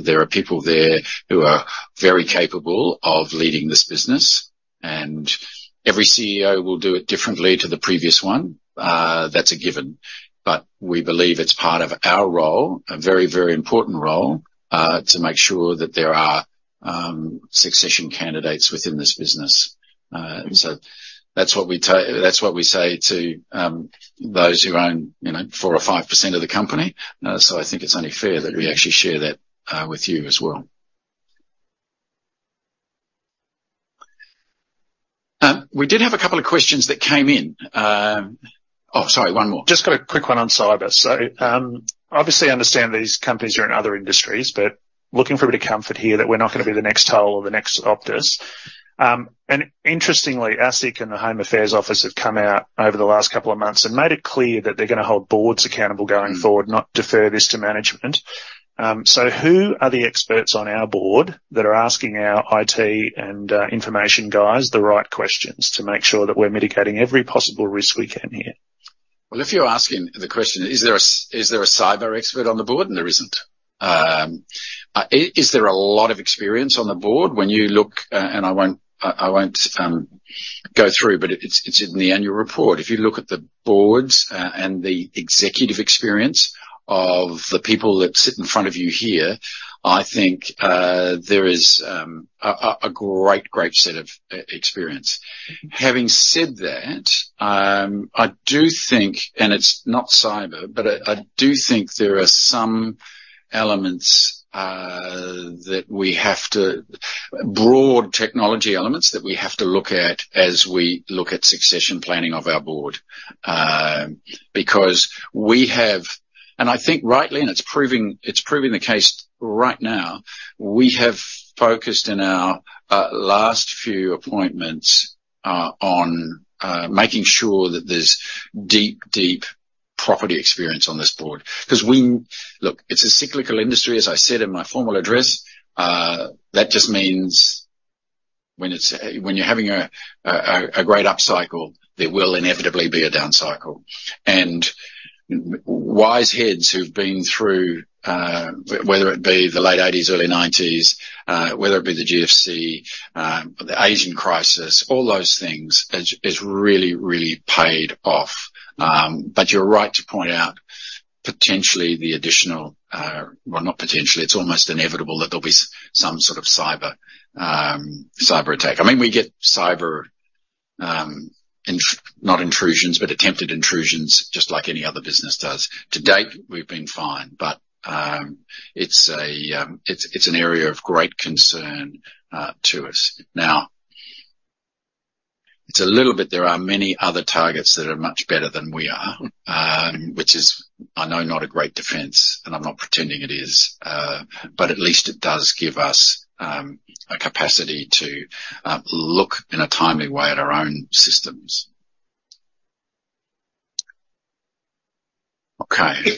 there are people there who are very capable of leading this business, and every CEO will do it differently to the previous one. That's a given, but we believe it's part of our role, a very, very important role, to make sure that there are succession candidates within this business. So that's what we say to those who own, you know, 4 or 5% of the company. So I think it's only fair that we actually share that with you as well. We did have a couple of questions that came in. Sorry, one more.
Just got a quick one on cyber. So, obviously understand these companies are in other industries, but looking for a bit of comfort here that we're not going to be the next Toll or the next Optus. And interestingly, ASIC and the Home Affairs Office have come out over the last couple of months and made it clear that they're going to hold boards accountable going forward, not defer this to management. So who are the experts on our board that are asking our IT and information guys the right questions to make sure that we're mitigating every possible risk we can here?
Well, if you're asking the question, is there a cyber expert on the board? Then there isn't. Is there a lot of experience on the board? When you look, and I won't go through, but it's in the Annual Report. If you look at the boards, and the executive experience of the people that sit in front of you here, I think there is a great, great set of experience. Having said that, I do think, and it's not cyber, but I do think there are some elements that we have to... Broad technology elements that we have to look at as we look at succession planning of our board. Because we have, and I think rightly, and it's proving the case right now. We have focused in our last few appointments on making sure that there's deep, deep property experience on this board. 'Cause, look, it's a cyclical industry, as I said in my formal address. That just means when you're having a great upcycle, there will inevitably be a downcycle. And wise heads who've been through whether it be the late eighties, early nineties, whether it be the GFC, or the Asian crisis, all those things has really, really paid off. But you're right to point out potentially the additional. Well, not potentially, it's almost inevitable that there'll be some sort of cyberattack. I mean, we get cyber not intrusions, but attempted intrusions, just like any other business does. To date, we've been fine, but it's an area of great concern to us. Now, it's a little bit... There are many other targets that are much better than we are, which is, I know, not a great defense, and I'm not pretending it is. But at least it does give us a capacity to look in a timely way at our own systems. Okay.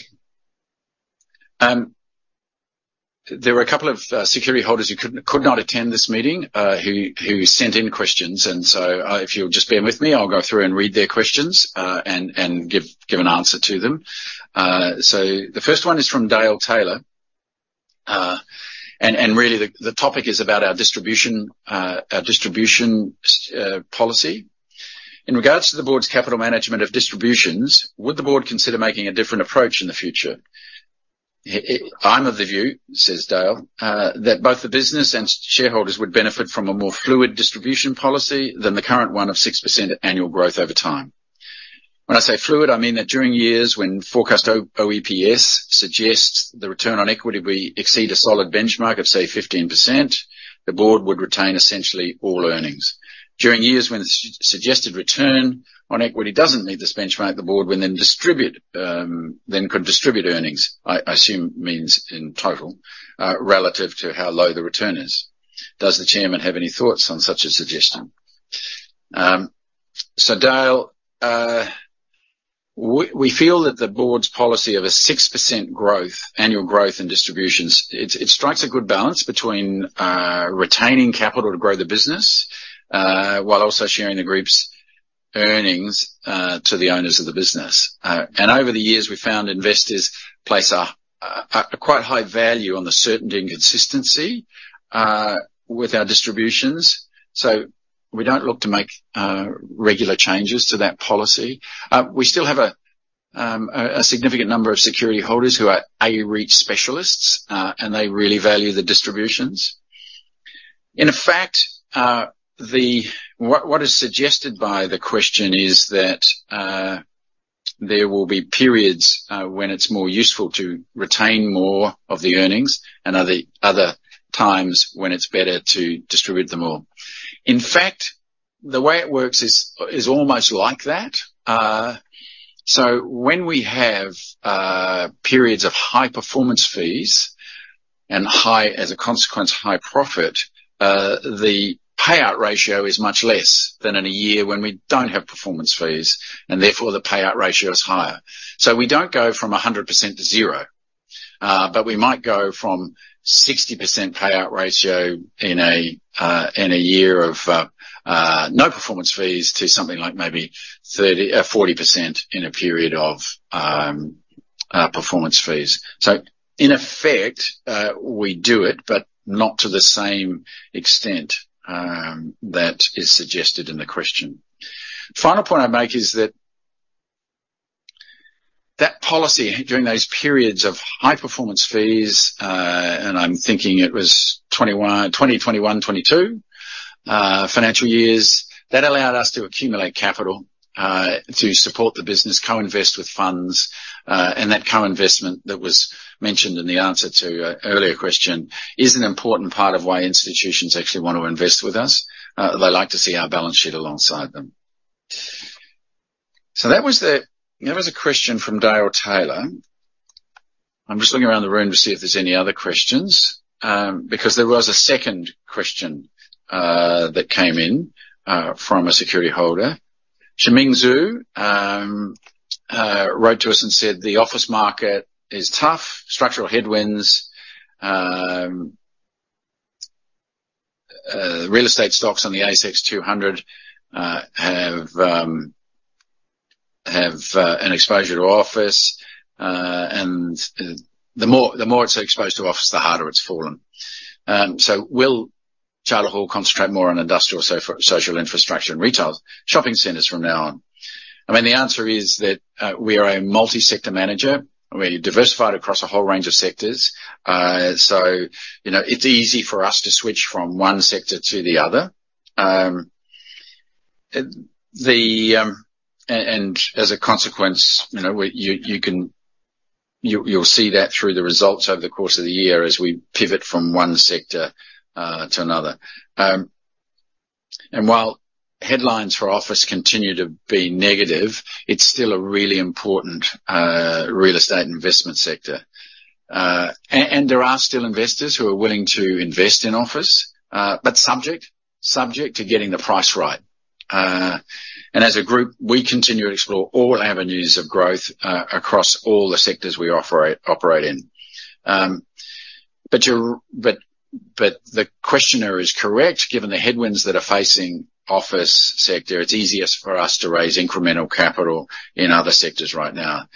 There were a couple of security holders who could not attend this meeting, who sent in questions. And so, if you'll just bear with me, I'll go through and read their questions, and give an answer to them. So the first one is from Dale Taylor. And really, the topic is about our distribution policy. In regards to the board's capital management of distributions, would the board consider making a different approach in the future? I'm of the view that both the business and shareholders would benefit from a more fluid distribution policy than the current one of 6% annual growth over time. When I say fluid, I mean that during years when forecast OEPS suggests the return on equity we exceed a solid benchmark of, say, 15%, the board would retain essentially all earnings. During years when the suggested return on equity doesn't meet this benchmark, the board will then distribute, then could distribute earnings relative to how low the return is. Does the Chairman have any thoughts on such a suggestion? So Dale, we feel that the board's policy of 6% growth, annual growth in distributions, it strikes a good balance between retaining capital to grow the business, while also sharing the group's earnings to the owners of the business. And over the years, we've found investors place a quite high value on the certainty and consistency with our distributions. So we don't look to make regular changes to that policy. We still have a significant number of security holders who are A-REIT specialists, and they really value the distributions. In fact, the... What is suggested by the question is that there will be periods when it's more useful to retain more of the earnings, and other times when it's better to distribute them all. In fact, the way it works is almost like that. So when we have periods of high performance fees and high, as a consequence, high profit, the payout ratio is much less than in a year when we don't have performance fees, and therefore, the payout ratio is higher. So we don't go from 100% to zero, but we might go from 60% payout ratio in a year of no performance fees, to something like maybe 30-40% in a period of performance fees. So in effect, we do it, but not to the same extent, that is suggested in the question. Final point I'd make is that, that policy, during those periods of high performance fees, and I'm thinking it was 2021, 2022 financial years, that allowed us to accumulate capital, to support the business, co-invest with funds, and that co-investment that was mentioned in the answer to an earlier question, is an important part of why institutions actually want to invest with us. They like to see our balance sheet alongside them. So that was a question from Dale Taylor. I'm just looking around the room to see if there's any other questions, because there was a second question, that came in, from a security holder. Shiming Xu wrote to us and said, "The office market is tough, structural headwinds, real estate stocks on the ASX 200 have an exposure to office. And the more it's exposed to office, the harder it's fallen. So will Charter Hall concentrate more on industrial, social infrastructure and retail shopping centers from now on?" I mean, the answer is that we are a multi-sector manager. We're diversified across a whole range of sectors. So, you know, it's easy for us to switch from one sector to the other. And as a consequence, you know, you can, you'll see that through the results over the course of the year, as we pivot from one sector to another. And while headlines for office continue to be negative, it's still a really important real estate investment sector. And there are still investors who are willing to invest in office, but subject to getting the price right. And as a group, we continue to explore all avenues of growth across all the sectors we operate in. But the questioner is correct. Given the headwinds that are facing office sector, it's easiest for us to raise incremental capital in other sectors right now.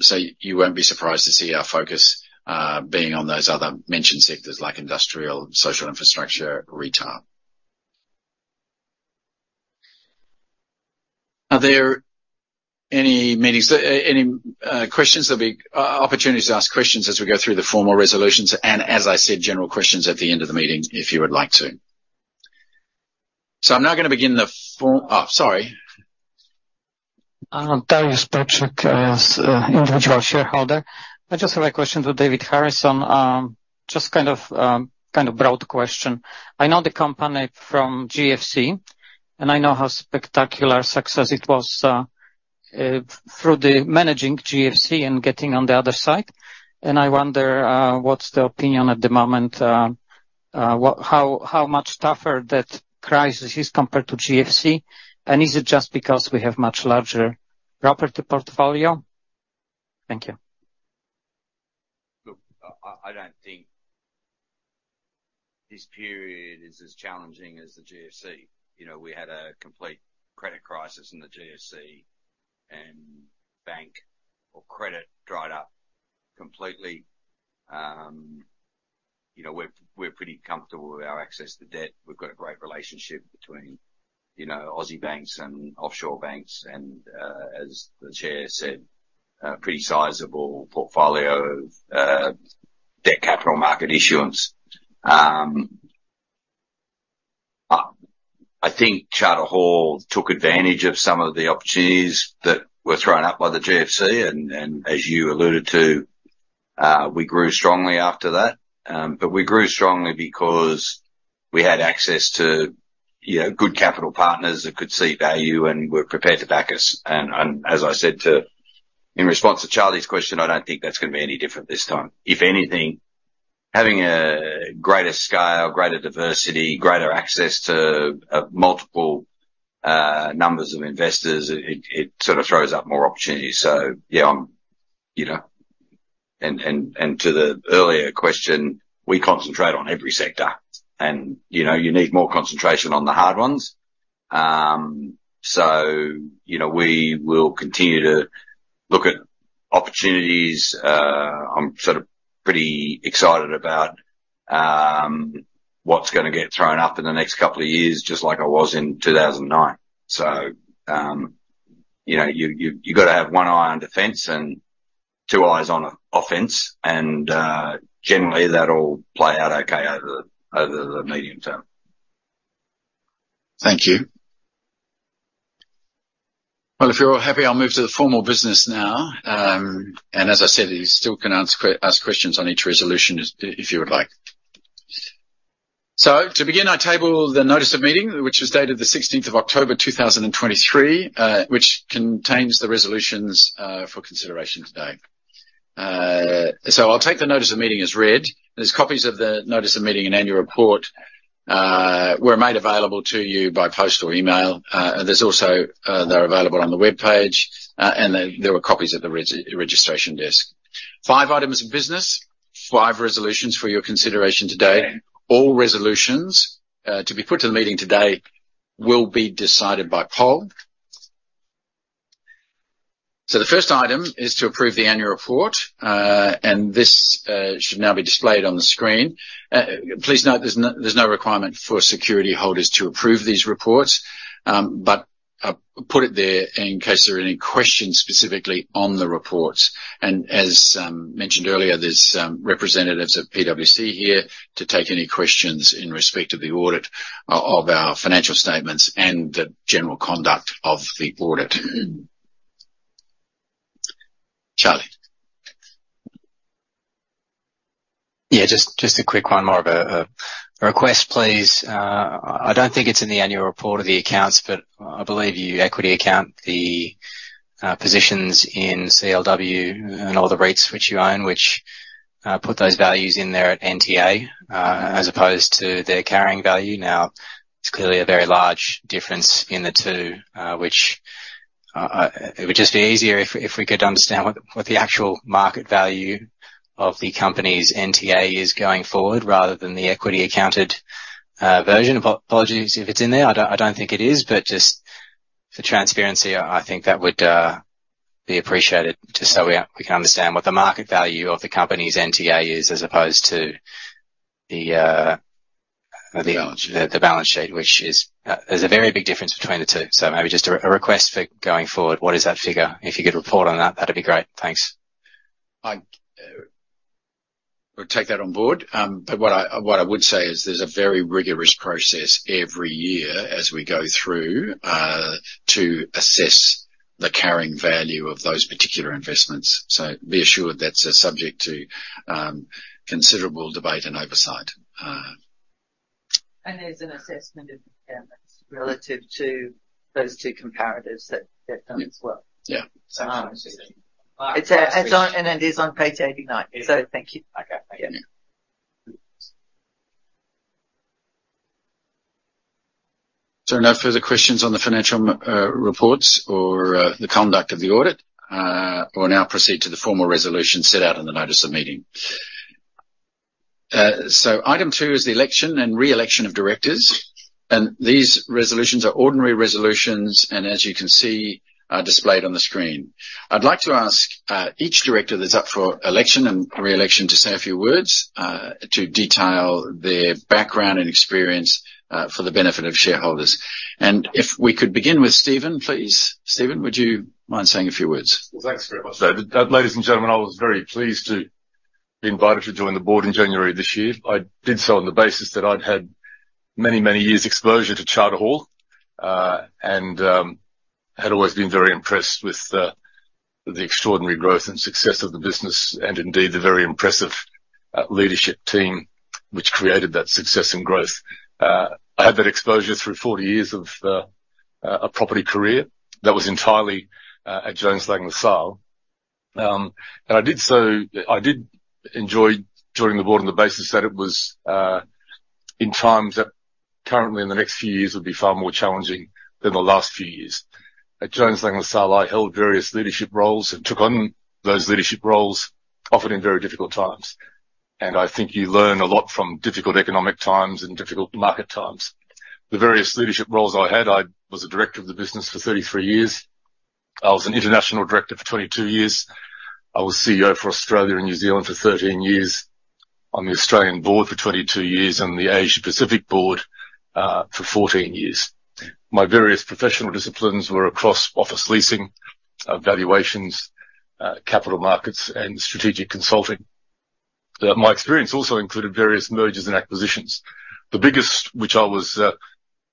So you won't be surprised to see our focus being on those other mentioned sectors, like industrial, social infrastructure, retail. Are there any meetings, any questions? There'll be opportunities to ask questions as we go through the formal resolutions, and as I said, general questions at the end of the meeting, if you would like to. So I'm now gonna begin.
Darius Perschke, as individual shareholder. I just have a question to David Harrison. Just kind of, kind of broad question. I know the company from GFC, and I know how spectacular success it was, through the managing GFC and getting on the other side. And I wonder, what... How, how much tougher that crisis is compared to GFC? And is it just because we have much larger property portfolio? Thank you.
Look, I don't think this period is as challenging as the GFC. You know, we had a complete credit crisis in the GFC, and bank or credit dried up completely. You know, we're pretty comfortable with our access to debt. We've got a great relationship between, you know, Aussie banks and offshore banks, and, as the Chair said, a pretty sizable portfolio of, debt capital market issuance. I think Charter Hall took advantage of some of the opportunities that were thrown up by the GFC, and, as you alluded to, we grew strongly after that. But we grew strongly because we had access to, you know, good capital partners that could see value and were prepared to back us. As I said to—in response to Charlie's question, I don't think that's gonna be any different this time. If anything, having a greater scale, greater diversity, greater access to multiple numbers of investors, it sort of throws up more opportunities. So yeah, I'm... You know, to the earlier question, we concentrate on every sector, and, you know, you need more concentration on the hard ones. So, you know, we will continue to look at opportunities. I'm sort of pretty excited about what's gonna get thrown up in the next couple of years, just like I was in 2009. So, you know, you gotta have one eye on defense and two eyes on offense, and generally, that'll play out okay over the medium term.
Thank you. Well, if you're all happy, I'll move to the formal business now. And as I said, you still can ask questions on each resolution if you would like. So to begin, I table the Notice of Meeting, which is dated the sixteenth of October, 2023, which contains the resolutions for consideration today. So I'll take the Notice of Meeting as read. There's copies of the Notice of Meeting and Annual Report were made available to you by post or email. They're available on the webpage, and there were copies at the registration desk. Five items of business, five resolutions for your consideration today. All resolutions to be put to the meeting today will be decided by poll. So the first item is to approve the Annual Report, and this should now be displayed on the screen. Please note, there's no requirement for security holders to approve these reports, but I've put it there in case there are any questions specifically on the reports. And as mentioned earlier, there's representatives of PwC here to take any questions in respect of the audit of our financial statements and the general conduct of the audit. Charlie?
Yeah, just a quick one, more of a request, please. I don't think it's in the Annual Report or the accounts, but I believe you equity account the positions in CLW and all the REITs which you own, which put those values in there at NTA, as opposed to their carrying value. Now, there's clearly a very large difference in the two, which I... It would just be easier if we could understand what the actual market value of the company's NTA is going forward, rather than the equity accounted version. Apologies if it's in there. I don't think it is, but just for transparency, I think that would be appreciated, just so we can understand what the market value of the company's NTA is, as opposed to the-
Balance sheet.
The balance sheet, which is... There's a very big difference between the two. So maybe just a request for going forward, what is that figure? If you could report on that, that'd be great. Thanks.
We'll take that on board. But what I would say is there's a very rigorous process every year as we go through to assess the carrying value of those particular investments. So be assured, that's subject to considerable debate and oversight.
There's an assessment of the payments relative to those two comparatives that's done as well.
Yeah.
It's and it is on page 89. So thank you.
Okay. Thank you...
No further questions on the financial reports or the conduct of the audit? We'll now proceed to the formal resolution set out in the Notice of Meeting. Item two is the election and re-election of directors, and these resolutions are ordinary resolutions, and as you can see, are displayed on the screen. I'd like to ask each director that's up for election and re-election to say a few words to detail their background and experience for the benefit of shareholders. If we could begin with Stephen, please. Stephen, would you mind saying a few words?
Well, thanks very much, David. Ladies and gentlemen, I was very pleased to be invited to join the board in January this year. I did so on the basis that I'd had many, many years exposure to Charter Hall, and had always been very impressed with the extraordinary growth and success of the business, and indeed, the very impressive leadership team which created that success and growth. I had that exposure through 40 years of a property career that was entirely at Jones Lang LaSalle. And I did so... I did enjoy joining the board on the basis that it was in times that currently in the next few years, would be far more challenging than the last few years. At Jones Lang LaSalle, I held various leadership roles and took on those leadership roles, often in very difficult times. I think you learn a lot from difficult economic times and difficult market times. The various leadership roles I had, I was a director of the business for 33 years. I was an international director for 22 years. I was CEO for Australia and New Zealand for 13 years, on the Australian board for 22 years, and the Asia Pacific board for 14 years. My various professional disciplines were across office leasing, valuations, capital markets, and strategic consulting. My experience also included various mergers and acquisitions. The biggest, which I was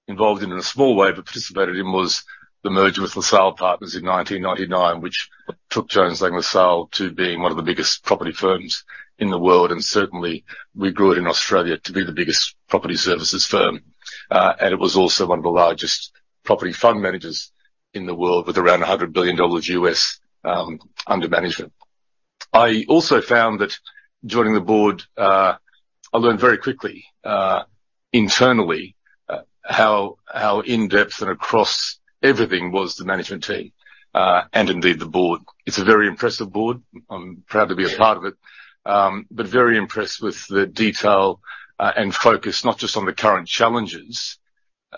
involved in, in a small way, but participated in, was the merger with LaSalle Partners in 1999, which took Jones Lang LaSalle to being one of the biggest property firms in the world. And certainly, we grew it in Australia to be the biggest property services firm. And it was also one of the largest property fund managers in the world, with around $100 billion under management. I also found that joining the board, I learned very quickly, internally, how in-depth and across everything was the management team, and indeed, the board. It's a very impressive board. I'm proud to be a part of it, but very impressed with the detail, and focus, not just on the current challenges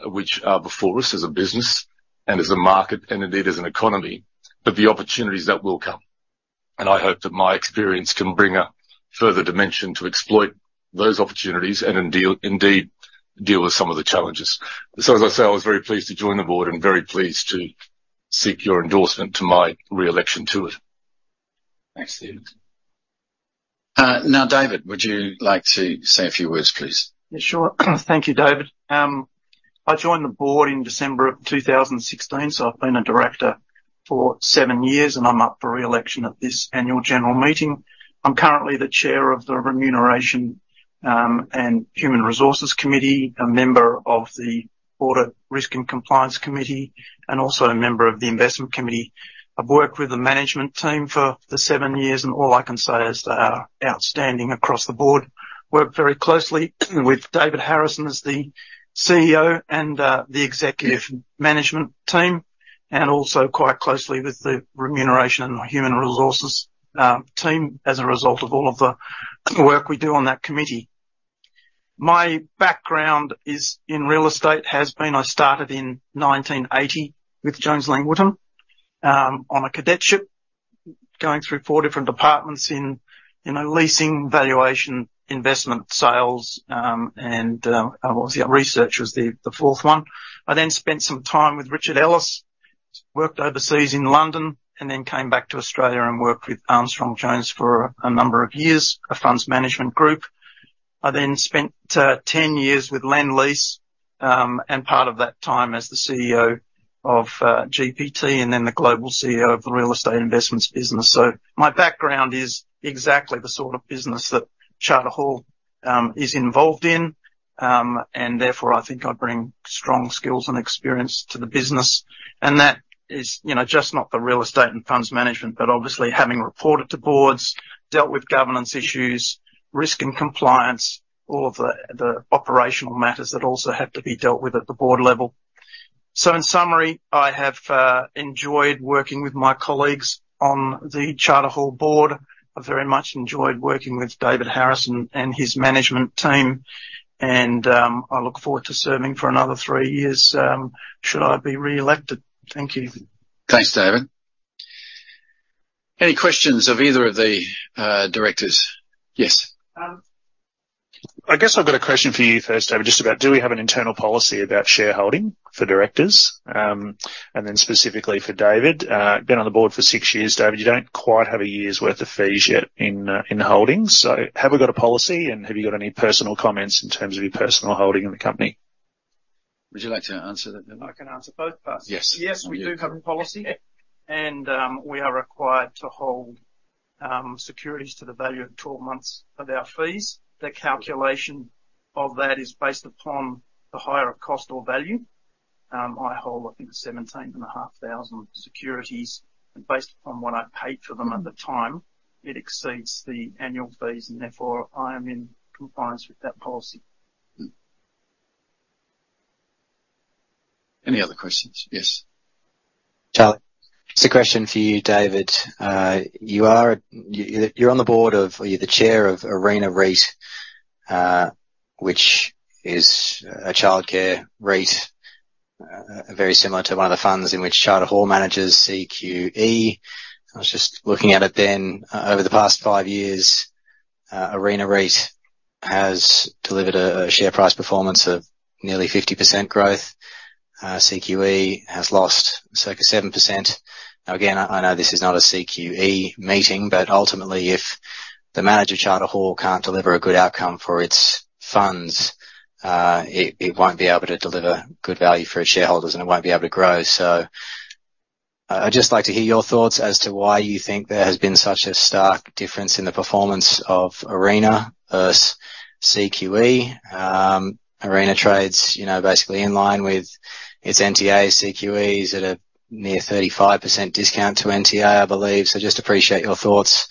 which are before us as a business and as a market and indeed as an economy, but the opportunities that will come. And I hope that my experience can bring a further dimension to exploit those opportunities and indeed, indeed deal with some of the challenges. So as I say, I was very pleased to join the board and very pleased to seek your endorsement to my re-election to it.
Thanks, Stephen. Now, David, would you like to say a few words, please?
Yeah, sure. Thank you, David. I joined the board in December 2016, so I've been a director for seven years, and I'm up for re-election at this annual general meeting. I'm currently the Chair of the Remuneration and Human Resources Committee, a member of the Audit, Risk, and Compliance Committee, and also a member of the Investment Committee. I've worked with the management team for the seven years, and all I can say is they are outstanding across the board. Worked very closely with David Harrison as the CEO and the executive management team, and also quite closely with the Remuneration and Human Resources team, as a result of all of the work we do on that committee. My background is in real estate, has been... I started in 1980 with Jones Lang LaSalle, on a cadetship, going through four different departments in, you know, leasing, valuation, investment, sales, and what was the other? Research was the fourth one. I then spent some time with Richard Ellis, worked overseas in London, and then came back to Australia and worked with Armstrong Jones for a number of years, a funds management group. I then spent 10 years with Lendlease, and part of that time as the CEO of GPT, and then the Global CEO of the real estate investments business. So my background is exactly the sort of business that Charter Hall is involved in. And therefore, I think I bring strong skills and experience to the business, and that is, you know, just not the real estate and funds management, but obviously having reported to boards, dealt with governance issues, risk and compliance, all of the operational matters that also have to be dealt with at the board level. So in summary, I have enjoyed working with my colleagues on the Charter Hall board. I've very much enjoyed working with David Harrison and his management team, and I look forward to serving for another three years, should I be re-elected. Thank you.
Thanks, David. Any questions of either of the directors? Yes.
I guess I've got a question for you first, David. Just about, do we have an internal policy about shareholding for directors? And then specifically for David, been on the board for six years, David, you don't quite have a year's worth of fees yet in, in holdings. So have we got a policy, and have you got any personal comments in terms of your personal holding in the company?
Would you like to answer that, David?
I can answer both parts.
Yes.
Yes, we do have a policy, and we are required to hold securities to the value of 12 months of our fees. The calculation of that is based upon the higher of cost or value. I hold, I think, 17,500 securities, and based upon what I paid for them at the time, it exceeds the annual fees, and therefore, I am in compliance with that policy.
Any other questions? Yes.
Charlie. It's a question for you, David. You're on the board of, or you're the Chair of Arena REIT, which is a childcare REIT, very similar to one of the funds in which Charter Hall manages CQE. I was just looking at it then. Over the past five years, Arena REIT has delivered a share price performance of nearly 50% growth. CQE has lost circa 7%. Now, again, I know this is not a CQE meeting, but ultimately, if the manager, Charter Hall, can't deliver a good outcome for its funds, it won't be able to deliver good value for its shareholders, and it won't be able to grow. So I, I'd just like to hear your thoughts as to why you think there has been such a stark difference in the performance of Arena versus CQE. Arena trades, you know, basically in line with its NTA. CQE is at a near 35% discount to NTA, I believe. So just appreciate your thoughts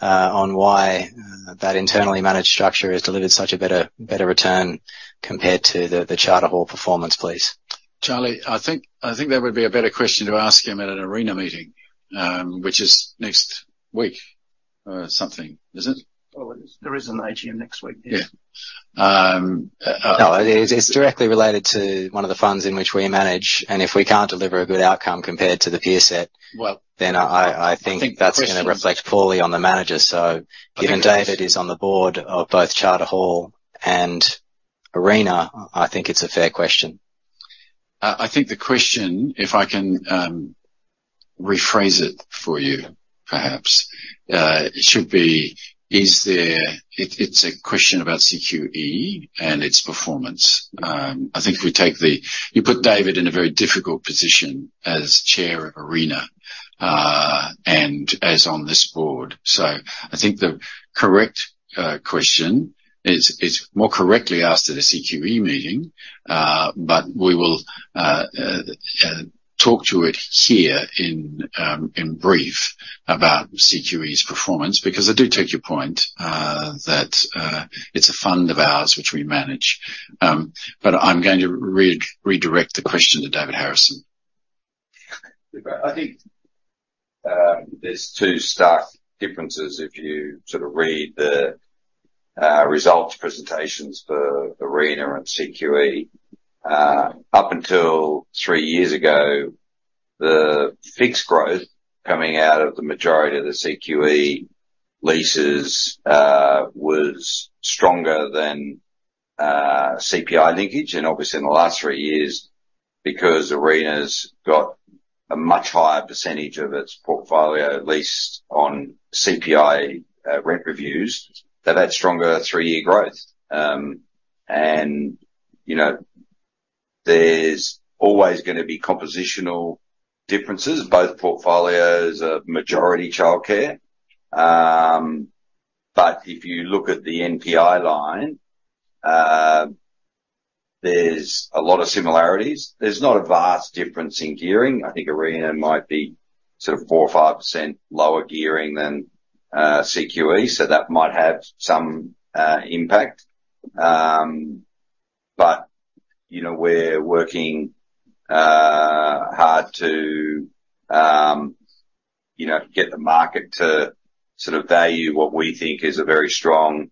on why that internally managed structure has delivered such a better, better return compared to the, the Charter Hall performance, please.
Charlie, I think that would be a better question to ask him at an Arena meeting, which is next week, something, is it?
Well, there is an AGM next week, yes.
Yeah.
No, it is... It's directly related to one of the funds in which we manage, and if we can't deliver a good outcome compared to the peer set-
Well-
then I think-
I think the question-
That's going to reflect poorly on the manager. So given David is on the board of both Charter Hall and Arena, I think it's a fair question.
I think the question, if I can, rephrase it for you, perhaps, it should be: is there... It, it's a question about CQE and its performance. I think if we take the... You put David in a very difficult position as Chair of Arena, and as on this board. So I think the correct question is more correctly asked at a CQE meeting. But we will talk to it here in brief about CQE's performance, because I do take your point that it's a fund of ours, which we manage. But I'm going to re-redirect the question to David Harrison.
I think, there's two stark differences if you sort of read the results presentations for Arena and CQE. Up until three years ago, the fixed growth coming out of the majority of the CQE leases was stronger than CPI linkage. And obviously in the last three years, because Arena's got a much higher percentage of its portfolio leased on CPI rent reviews, they've had stronger three-year growth. And, you know, there's always gonna be compositional differences. Both portfolios are majority childcare. But if you look at the NPI line, there's a lot of similarities. There's not a vast difference in gearing. I think Arena might be sort of 4% or 5% lower gearing than CQE, so that might have some impact. But, you know, we're working hard to, you know, get the market to sort of value what we think is a very strong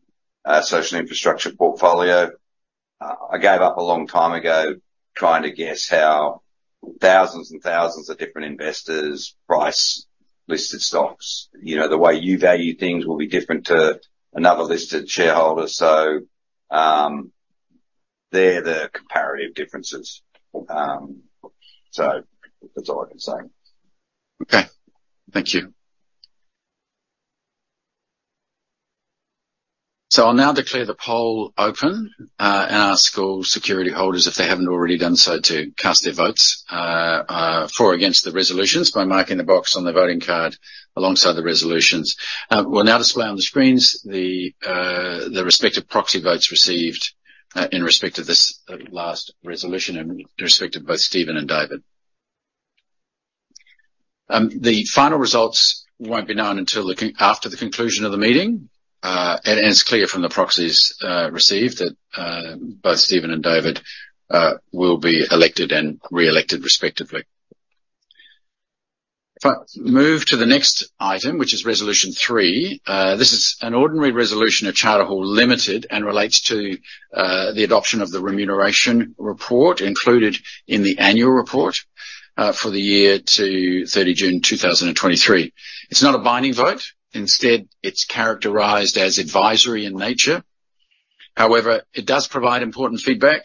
social infrastructure portfolio. I gave up a long time ago, trying to guess how thousands and thousands of different investors price-listed stocks. You know, the way you value things will be different to another listed shareholder. So, they're the comparative differences. So that's all I can say.
Okay, thank you. So I'll now declare the poll open, and ask all security holders, if they haven't already done so, to cast their votes, for or against the resolutions by marking the box on the voting card alongside the resolutions. We'll now display on the screens the respective proxy votes received, in respect to this last resolution and in respect to both Stephen and David. The final results won't be known until after the conclusion of the meeting. And it's clear from the proxies received, that both Stephen and David will be elected and reelected respectively. If I move to the next item, which is resolution three, this is an ordinary resolution of Charter Hall Limited and relates to the adoption of the remuneration report included in the Annual Report for the year to 30 June 2023. It's not a binding vote. Instead, it's characterized as advisory in nature. However, it does provide important feedback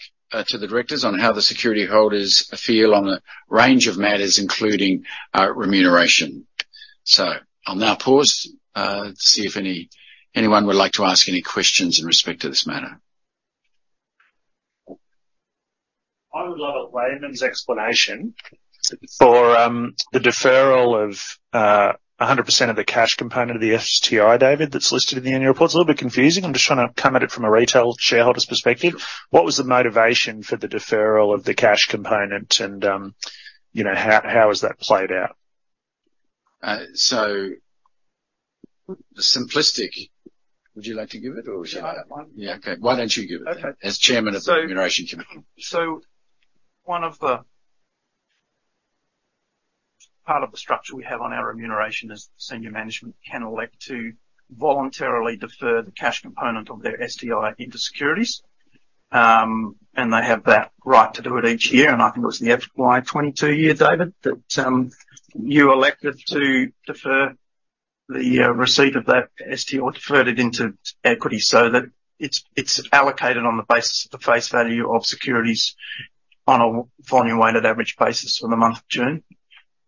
to the directors on how the security holders feel on a range of matters, including remuneration. So I'll now pause to see if anyone would like to ask any questions in respect to this matter.
I would love a layman's explanation-... For the deferral of 100% of the cash component of the STI, David, that's listed in the Annual Report. It's a little bit confusing. I'm just trying to come at it from a retail shareholder's perspective. What was the motivation for the deferral of the cash component, and, you know, how has that played out?
Would you like to give it, or would you like...
Yeah, I don't mind.
Yeah. Okay. Why don't you give it-
Okay.
as Chairman of the Remuneration Committee?
So part of the structure we have on our remuneration is senior management can elect to voluntarily defer the cash component of their STI into securities. And they have that right to do it each year, and I think it was the FY 2022 year, David, that you elected to defer the receipt of that STI or deferred it into equity so that it's allocated on the basis of the face value of securities on a volume weighted average basis for the month of June.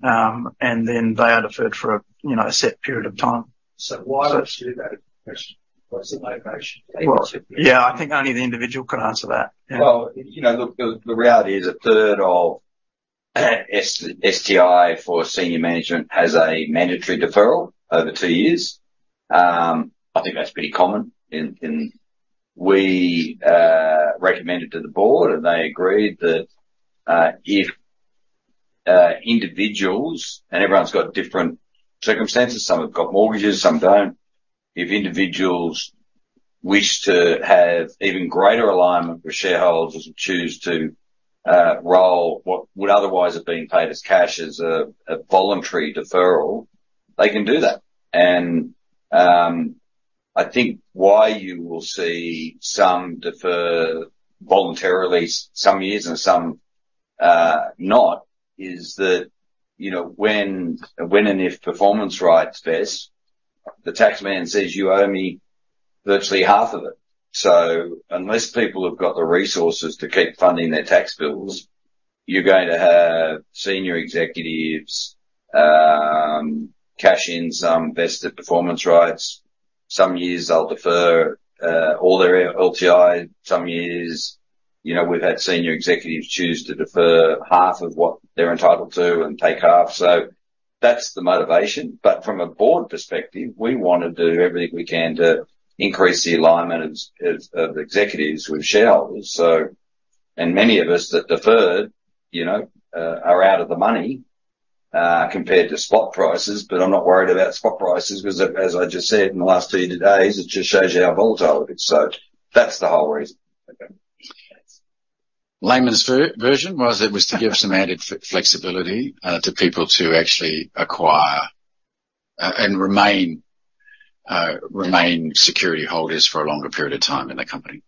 And then they are deferred for, you know, a set period of time.
So why would they do that? What's the motivation?
Well, yeah, I think only the individual could answer that. Yeah.
Well, you know, look, the reality is a third of STI for senior management has a mandatory deferral over two years. I think that's pretty common in... We recommended to the board, and they agreed that if individuals, and everyone's got different circumstances, some have got mortgages, some don't. If individuals wish to have even greater alignment with shareholders and choose to roll what would otherwise have been paid as cash as a voluntary deferral, they can do that. I think why you will see some defer voluntarily some years and some not is that, you know, when and if performance rights vest, the taxman says, "You owe me virtually half of it." So unless people have got the resources to keep funding their tax bills, you're going to have senior executives cash in some vested performance rights. Some years they'll defer all their LTI. Some years, you know, we've had senior executives choose to defer half of what they're entitled to and take half. So that's the motivation. But from a board perspective, we want to do everything we can to increase the alignment of executives with shareholders. So and many of us that deferred, you know, are out of the money compared to spot prices. But I'm not worried about spot prices, because as I just said, in the last two days, it just shows you how volatile it is. So that's the whole reason.
Okay.
Layman's version was it was to give some added flexibility to people to actually acquire and remain security holders for a longer period of time in the company.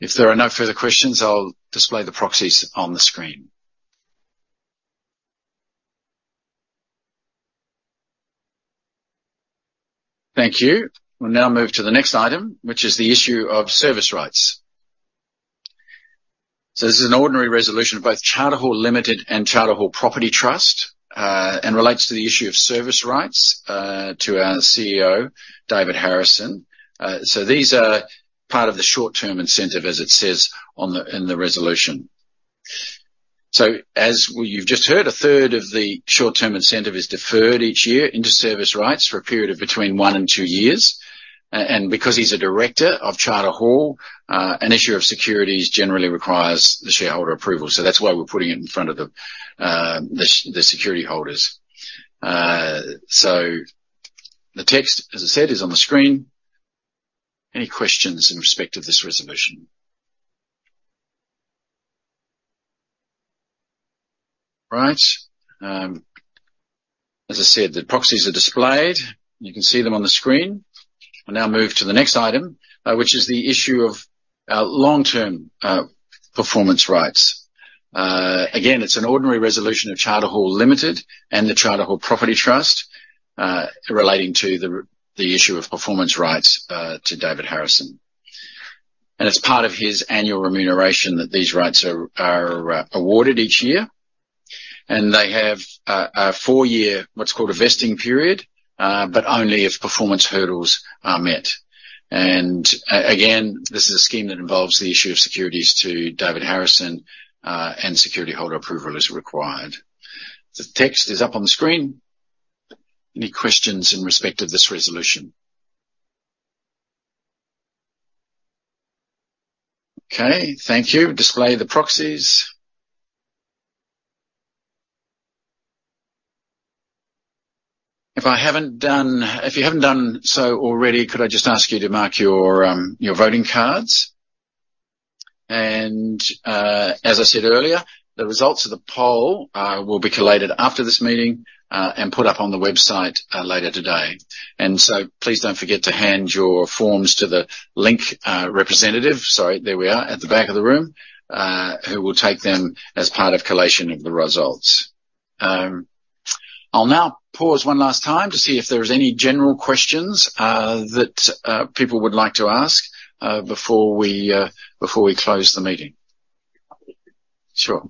If there are no further questions, I'll display the proxies on the screen. Thank you. We'll now move to the next item, which is the issue of service rights. So this is an ordinary resolution of both Charter Hall Limited and Charter Hall Property Trust, and relates to the issue of service rights to our CEO, David Harrison. So these are part of the short-term incentive, as it says on the, in the resolution. So as you've just heard, a third of the short-term incentive is deferred each year into service rights for a period of between one and two years. And because he's a director of Charter Hall, an issue of securities generally requires the shareholder approval. So that's why we're putting it in front of the security holders. So the text, as I said, is on the screen. Any questions in respect of this resolution? Right. As I said, the proxies are displayed. You can see them on the screen. We'll now move to the next item, which is the issue of long-term performance rights. Again, it's an ordinary resolution of Charter Hall Limited and the Charter Hall Property Trust, relating to the issue of performance rights to David Harrison. It's part of his annual remuneration that these rights are awarded each year, and they have a four-year, what's called a vesting period, but only if performance hurdles are met. This is a scheme that involves the issue of securities to David Harrison, and security holder approval is required. The text is up on the screen. Any questions in respect of this resolution? Okay, thank you. Display the proxies. If you haven't done so already, could I just ask you to mark your voting cards? As I said earlier, the results of the poll will be collated after this meeting and put up on the website later today. Please don't forget to hand your forms to the Link representative. Sorry, there we are, at the back of the room, who will take them as part of collation of the results. I'll now pause one last time to see if there is any general questions, that, people would like to ask, before we, before we close the meeting. Sure....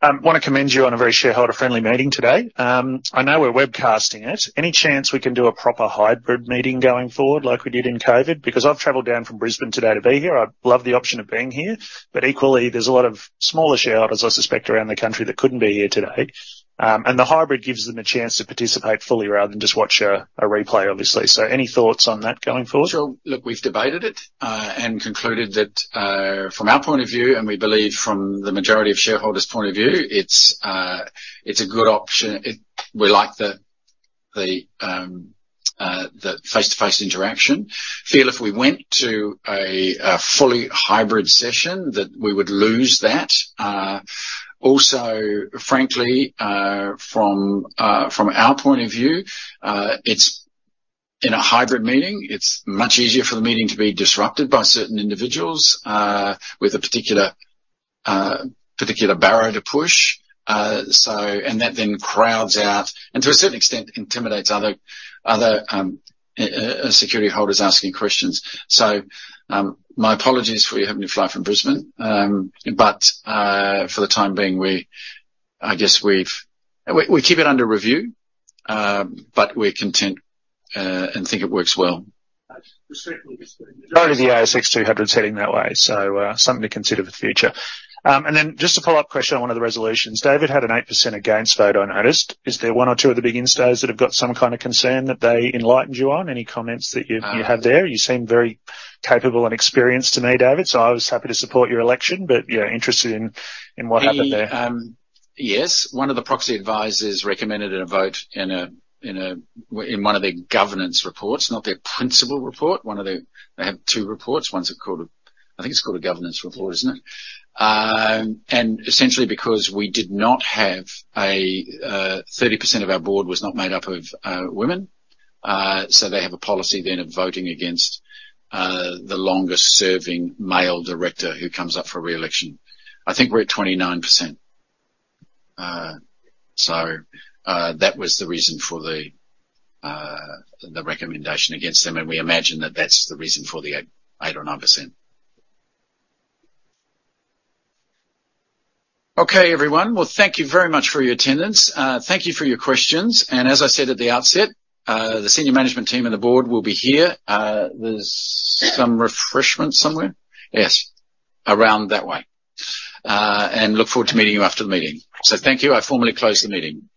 Want to commend you on a very shareholder-friendly meeting today. I know we're webcasting it. Any chance we can do a proper hybrid meeting going forward, like we did in COVID? Because I've traveled down from Brisbane today to be here. I love the option of being here, but equally, there's a lot of smaller shareholders, I suspect, around the country that couldn't be here today. And the hybrid gives them a chance to participate fully rather than just watch a replay, obviously. So any thoughts on that going forward?
Sure. Look, we've debated it, and concluded that, from our point of view, and we believe from the majority of shareholders' point of view, it's a good option. It. We like the face-to-face interaction. Feel if we went to a fully hybrid session, that we would lose that. Also, frankly, from our point of view, it's... In a hybrid meeting, it's much easier for the meeting to be disrupted by certain individuals with a particular barrow to push. So, and that then crowds out, and to a certain extent, intimidates other security holders asking questions. So, my apologies for you having to fly from Brisbane. But, for the time being, we. I guess we've...We keep it under review, but we're content and think it works well.
Certainly. The ASX 200's heading that way, so, something to consider for the future. And then just a follow-up question on one of the resolutions. David had an 8% against vote, I noticed. Is there one or two of the big instas that have got some kind of concern that they enlightened you on? Any comments that you, you have there? You seem very capable and experienced to me, David, so I was happy to support your election. But yeah, interested in, in what happened there.
Yes. One of the proxy advisors recommended in a vote in one of their governance reports, not their principal report. One of the-- They have two reports. One's called a... I think it's called a governance report, isn't it? And essentially because we did not have a thirty percent of our board was not made up of women. So they have a policy then of voting against the longest serving male director who comes up for re-election. I think we're at 29%. So that was the reason for the recommendation against them, and we imagine that that's the reason for the 8% or 9%. Okay, everyone. Well, thank you very much for your attendance. Thank you for your questions, and as I said at the outset, the senior management team and the board will be here. There's some refreshments somewhere? Yes, around that way. And look forward to meeting you after the meeting. So thank you. I formally close the meeting.